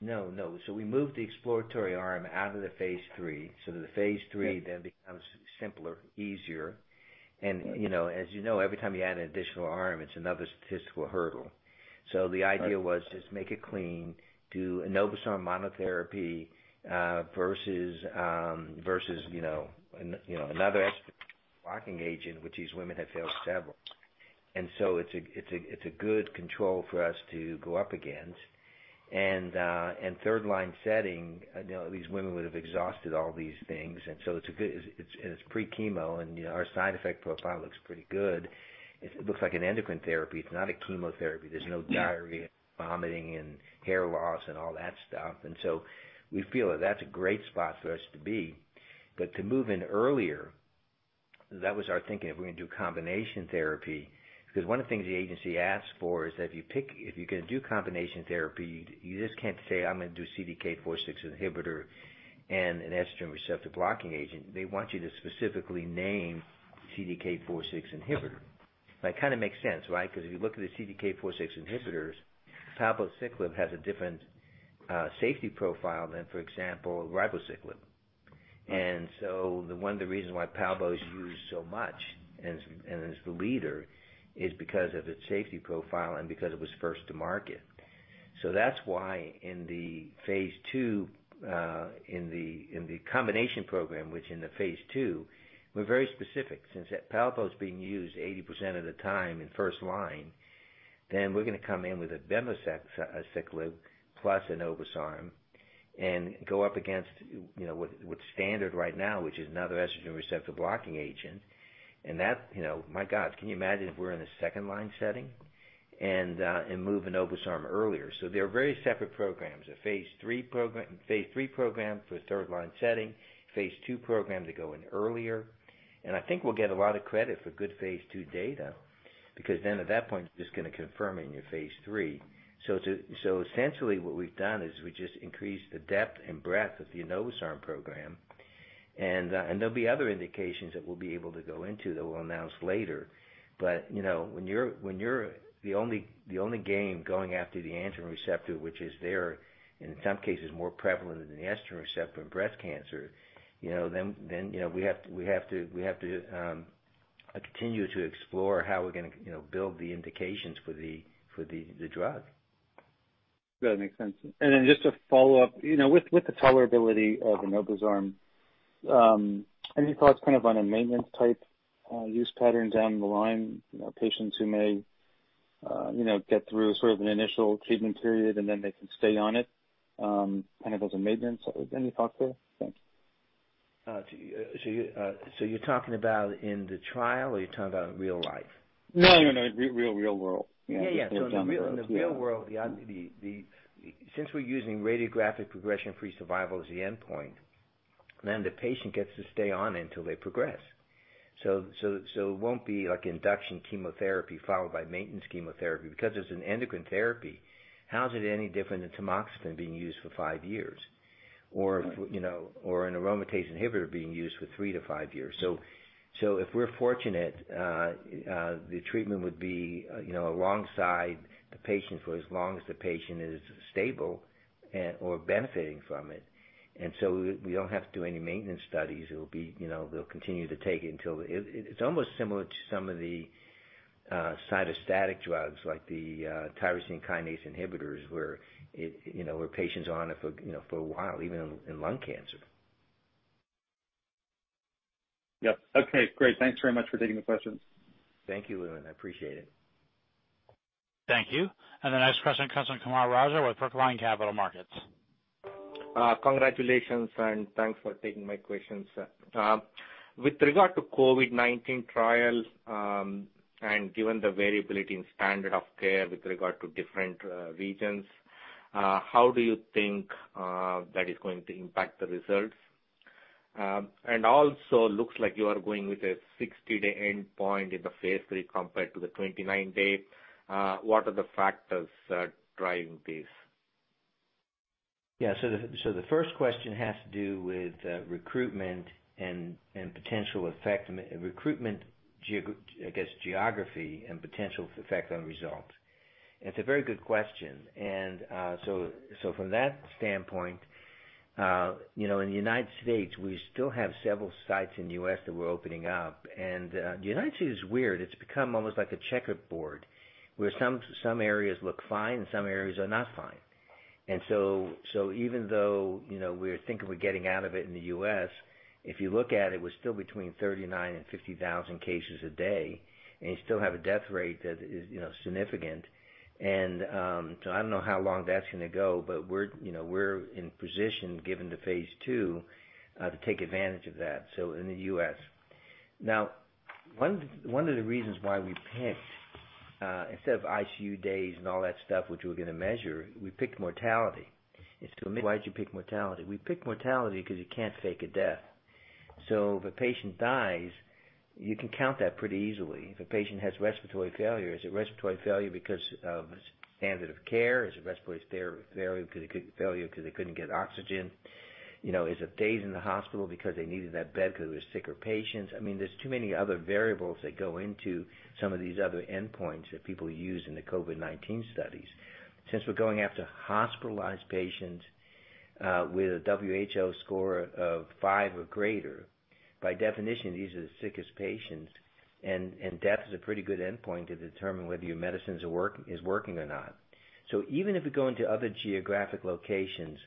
No. We moved the exploratory arm out of the phase III, the phase III becomes simpler, easier. As you know, every time you add an additional arm, it's another statistical hurdle. So the idea was just make it clean, do enobosarm monotherapy, versus, you know, another estrogen-blocking agent, which these women have failed several. It's a good control for us to go up against. And third-line setting, these women would have exhausted all these things. It's pre-chemo and our side effect profile looks pretty good. It looks like an endocrine therapy. It's not a chemotherapy. There's no diarrhea, vomiting, and hair loss and all that stuff. And so we feel that that's a great spot for us to be. To move in earlier, that was our thinking, if we're going to do combination therapy, because one of the things the agency asks for is that if you're going to do combination therapy, you just can't say, I'm going to do CDK4/6 inhibitor and an estrogen receptor blocking agent. They want you to specifically name CDK4/6 inhibitor. That kind of makes sense, right? Because if you look at the CDK4/6 inhibitors, palbociclib has a different safety profile than, for example, ribociclib. One of the reasons why palbo is used so much and is the leader is because of its safety profile and because it was first to market. So that's why in the phase II, in the combination program, which in the phase II, we're very specific, since that palbociclib's being used 80% of the time in first-line, then we're going to come in with abemaciclib + enobosarm and go up against what's standard right now, which is another estrogen receptor blocking agent. That, my God, can you imagine if we're in a second-line setting and move enobosarm earlier. They're very separate programs. A phase III program for third-line setting, phase II program to go in earlier. And I think we'll get a lot of credit for good phase II data, because then at that point, you're just going to confirm it in your phase III. Essentially what we've done is we just increased the depth and breadth of the enobosarm program, and there'll be other indications that we'll be able to go into that we'll announce later. You know, when you're the only game going after the androgen receptor, which is there, in some cases more prevalent than the estrogen receptor in breast cancer, then, you know, we have to continue to explore how we're going to build the indications for the drug. That makes sense. Just to follow up, with the tolerability of enobosarm, any thoughts on a maintenance type use pattern down the line, patients who may get through an initial treatment period and then they can stay on it, as a maintenance. Any thoughts there? Thanks. You're talking about in the trial or you're talking about in real life? No, in real world. Yeah. In the real world, since we're using radiographic progression-free survival as the endpoint, then the patient gets to stay on it until they progress. It won't be like induction chemotherapy followed by maintenance chemotherapy, because it's an endocrine therapy. How is it any different than tamoxifen being used for five years, you know, or an aromatase inhibitor being used for three to five years? So if we're fortunate, the treatment would be, you know, alongside the patient for as long as the patient is stable or benefiting from it. We don't have to do any maintenance studies. You know, they'll continue to take it. It's almost similar to some of the cytostatic drugs like the tyrosine kinase inhibitors, where, you know, patients are on it for a while, even in lung cancer. Yep. Okay, great. Thanks very much for taking the questions. Thank you, Leland. I appreciate it. Thank you. The next question comes from Kumar Raja with Brookline Capital Markets. Congratulations and thanks for taking my questions. With regard to COVID-19 trials, and given the variability in standard of care with regard to different regions, how do you think that is going to impact the results? Also looks like you are going with a 60-day endpoint in the phase III compared to the 29-day. What are the factors that driving this? Yeah. So the first question has to do with recruitment and potential effect, recruitment geography, and potential effect on results. It's a very good question. From that standpoint, in the United States, we still have several sites in the U.S. that we're opening up. The United States is weird. It's become almost like a checkerboard, where some areas look fine and some areas are not fine. So, even though, you know, we're thinking we're getting out of it in the U.S., if you look at it, we're still between 39,000 and 50,000 cases a day, and you still have a death rate that is, you know, significant. I don't know how long that's going to go, but we're in position, given the phase II, to take advantage of that in the U.S. Now, one of the reasons why we picked, instead of ICU days and all that stuff, which we are going to measure, we picked mortality is to admit why'd you pick mortality? We picked mortality because you can't fake a death. If a patient dies, you can count that pretty easily. If a patient has respiratory failure, is it respiratory failure because of standard of care? Is it respiratory failure because they couldn't get oxygen? Is it days in the hospital because they needed that bed because there was sicker patients? There's too many other variables that go into some of these other endpoints that people use in the COVID-19 studies. Since we are going after hospitalized patients with a WHO score of 5 or greater, by definition, these are the sickest patients, and death is a pretty good endpoint to determine whether your medicine is working or not. So, even if we go into other geographic locations,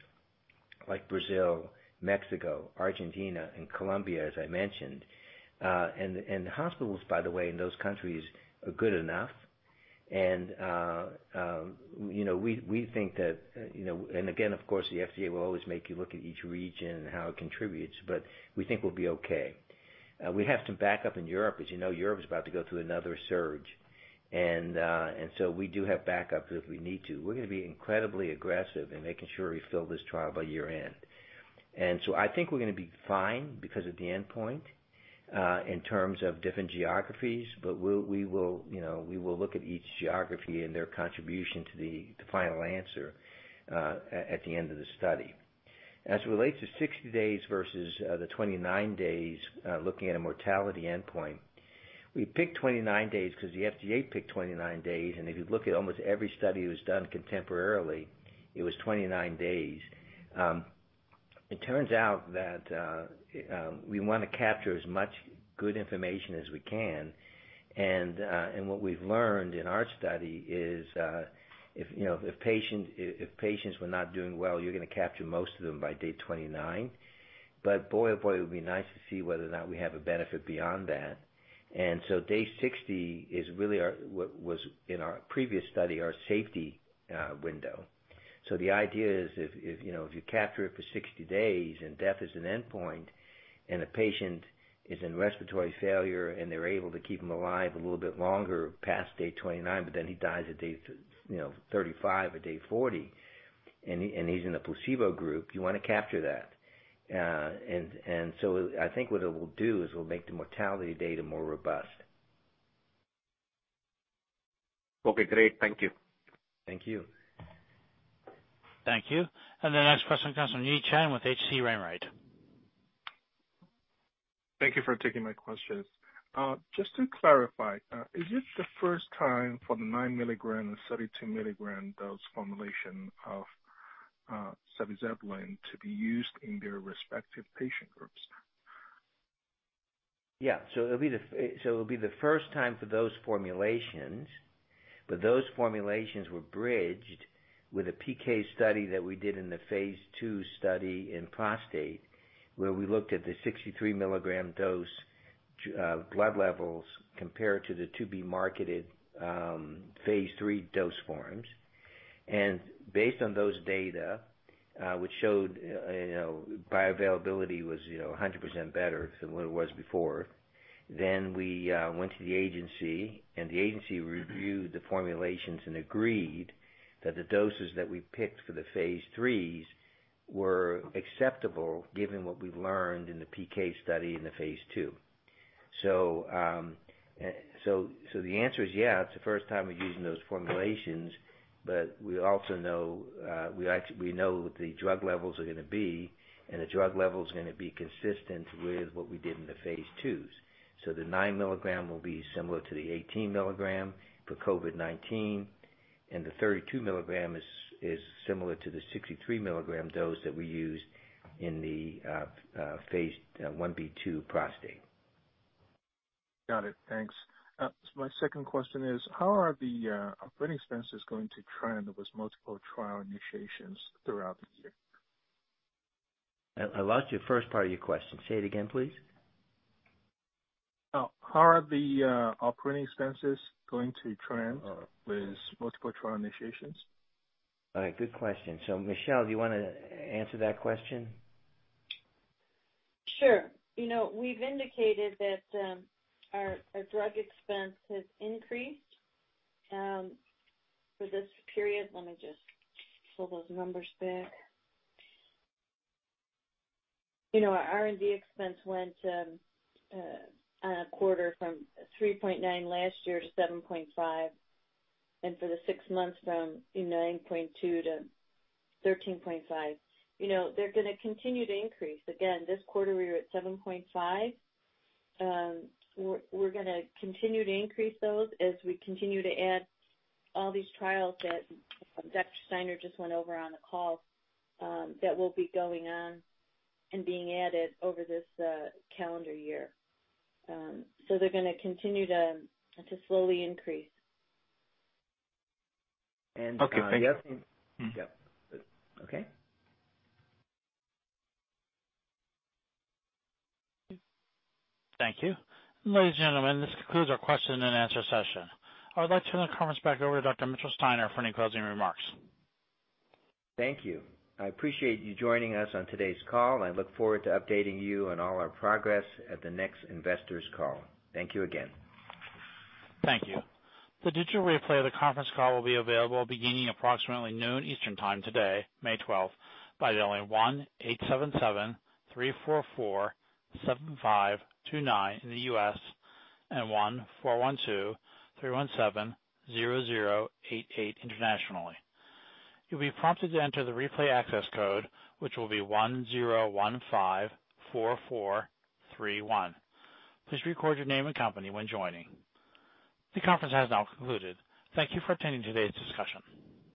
like Brazil, Mexico, Argentina, and Colombia, as I mentioned, and the hospitals, by the way, in those countries are good enough. Again, of course, the FDA will always make you look at each region and how it contributes, but we think we'll be okay. We have some backup in Europe. As you know, Europe is about to go through another surge. And so, we do have backup if we need to. We're going to be incredibly aggressive in making sure we fill this trial by year-end. I think we're going to be fine because of the endpoint in terms of different geographies, but, you know, we will look at each geography and their contribution to the final answer at the end of the study. As it relates to 60 days versus the 29 days, looking at a mortality endpoint, we picked 29 days because the FDA picked 29 days. If you look at almost every study that was done contemporarily, it was 29 days. It turns out that we want to capture as much good information as we can. What we've learned in our study is, you know, if patients were not doing well, you're going to capture most of them by day 29. Boy, it would be nice to see whether or not we have a benefit beyond that. And so day 60 is really what was, in our previous study, our safety window. So the idea is if, you know, you capture it for 60 days and death is an endpoint and a patient is in respiratory failure and they're able to keep him alive a little bit longer past day 29, but then he dies at day, you know 35 or day 40 and he's in the placebo group, you want to capture that. I think what it will do is it will make the mortality data more robust. Okay, great. Thank you. Thank you. Thank you. The next question comes from Yi Chen with H.C. Wainwright. Thank you for taking my questions. Just to clarify, is this the first time for the 9 mg and 32 mg dose formulation of sabizabulin to be used in their respective patient groups? Yeah, it'll be the first time for those formulations, but those formulations were bridged with a PK study that we did in the phase II study in prostate, where we looked at the 63 mg dose blood levels compared to the to-be-marketed phase III dose forms. Based on those data, which showed bioavailability was, you know, 100% better than what it was before, then we went to the agency, and the agency reviewed the formulations and agreed that the doses that we picked for the phase IIIs were acceptable given what we've learned in the PK study in the phase II. So, the answer is yeah, it's the first time we're using those formulations, but we know what the drug levels are going to be, and the drug level is going to be consistent with what we did in the phase IIs. The 9 mg will be similar to the 18 mg for COVID-19, the 32 mg is similar to the 63 mg dose that we used in the phase I-B/II prostate. Got it. Thanks. My second question is, how are the operating expenses going to trend with multiple trial initiations throughout the year? I lost your first part of your question. Say it again, please. How are the operating expenses going to trend with multiple trial initiations? All right. Good question. Michele, do you want to answer that question? Sure. We've indicated that our drug expense has increased for this period. Let me just pull those numbers back. You know, our R&D expense went on a quarter from $3.9 million last year to $7.5 million, and for the six months from $9.2 million-$13.5 million. They're going to continue to increase. Again, this quarter, we were at $7.5 million. We're going to continue to increase those as we continue to add all these trials that Dr. Steiner just went over on the call that will be going on and being added over this calendar year. They're going to continue to slowly increase. Okay, thank you. Yep. Okay. Thank you. Ladies and gentlemen, this concludes our question and answer session. I would like to turn the conference back over to Dr. Mitchell Steiner for any closing remarks. Thank you. I appreciate you joining us on today's call, and I look forward to updating you on all our progress at the next investors call. Thank you again. Thank you. The digital replay of the conference call will be available beginning approximately noon Eastern Time today, May 12th, by dialing 1-877-344-7529 in the U.S. and 1-412-317-0088 internationally. You'll be prompted to enter the replay access code, which will be 10154431. Please record your name and company when joining. The conference has now concluded. Thank you for attending today's discussion.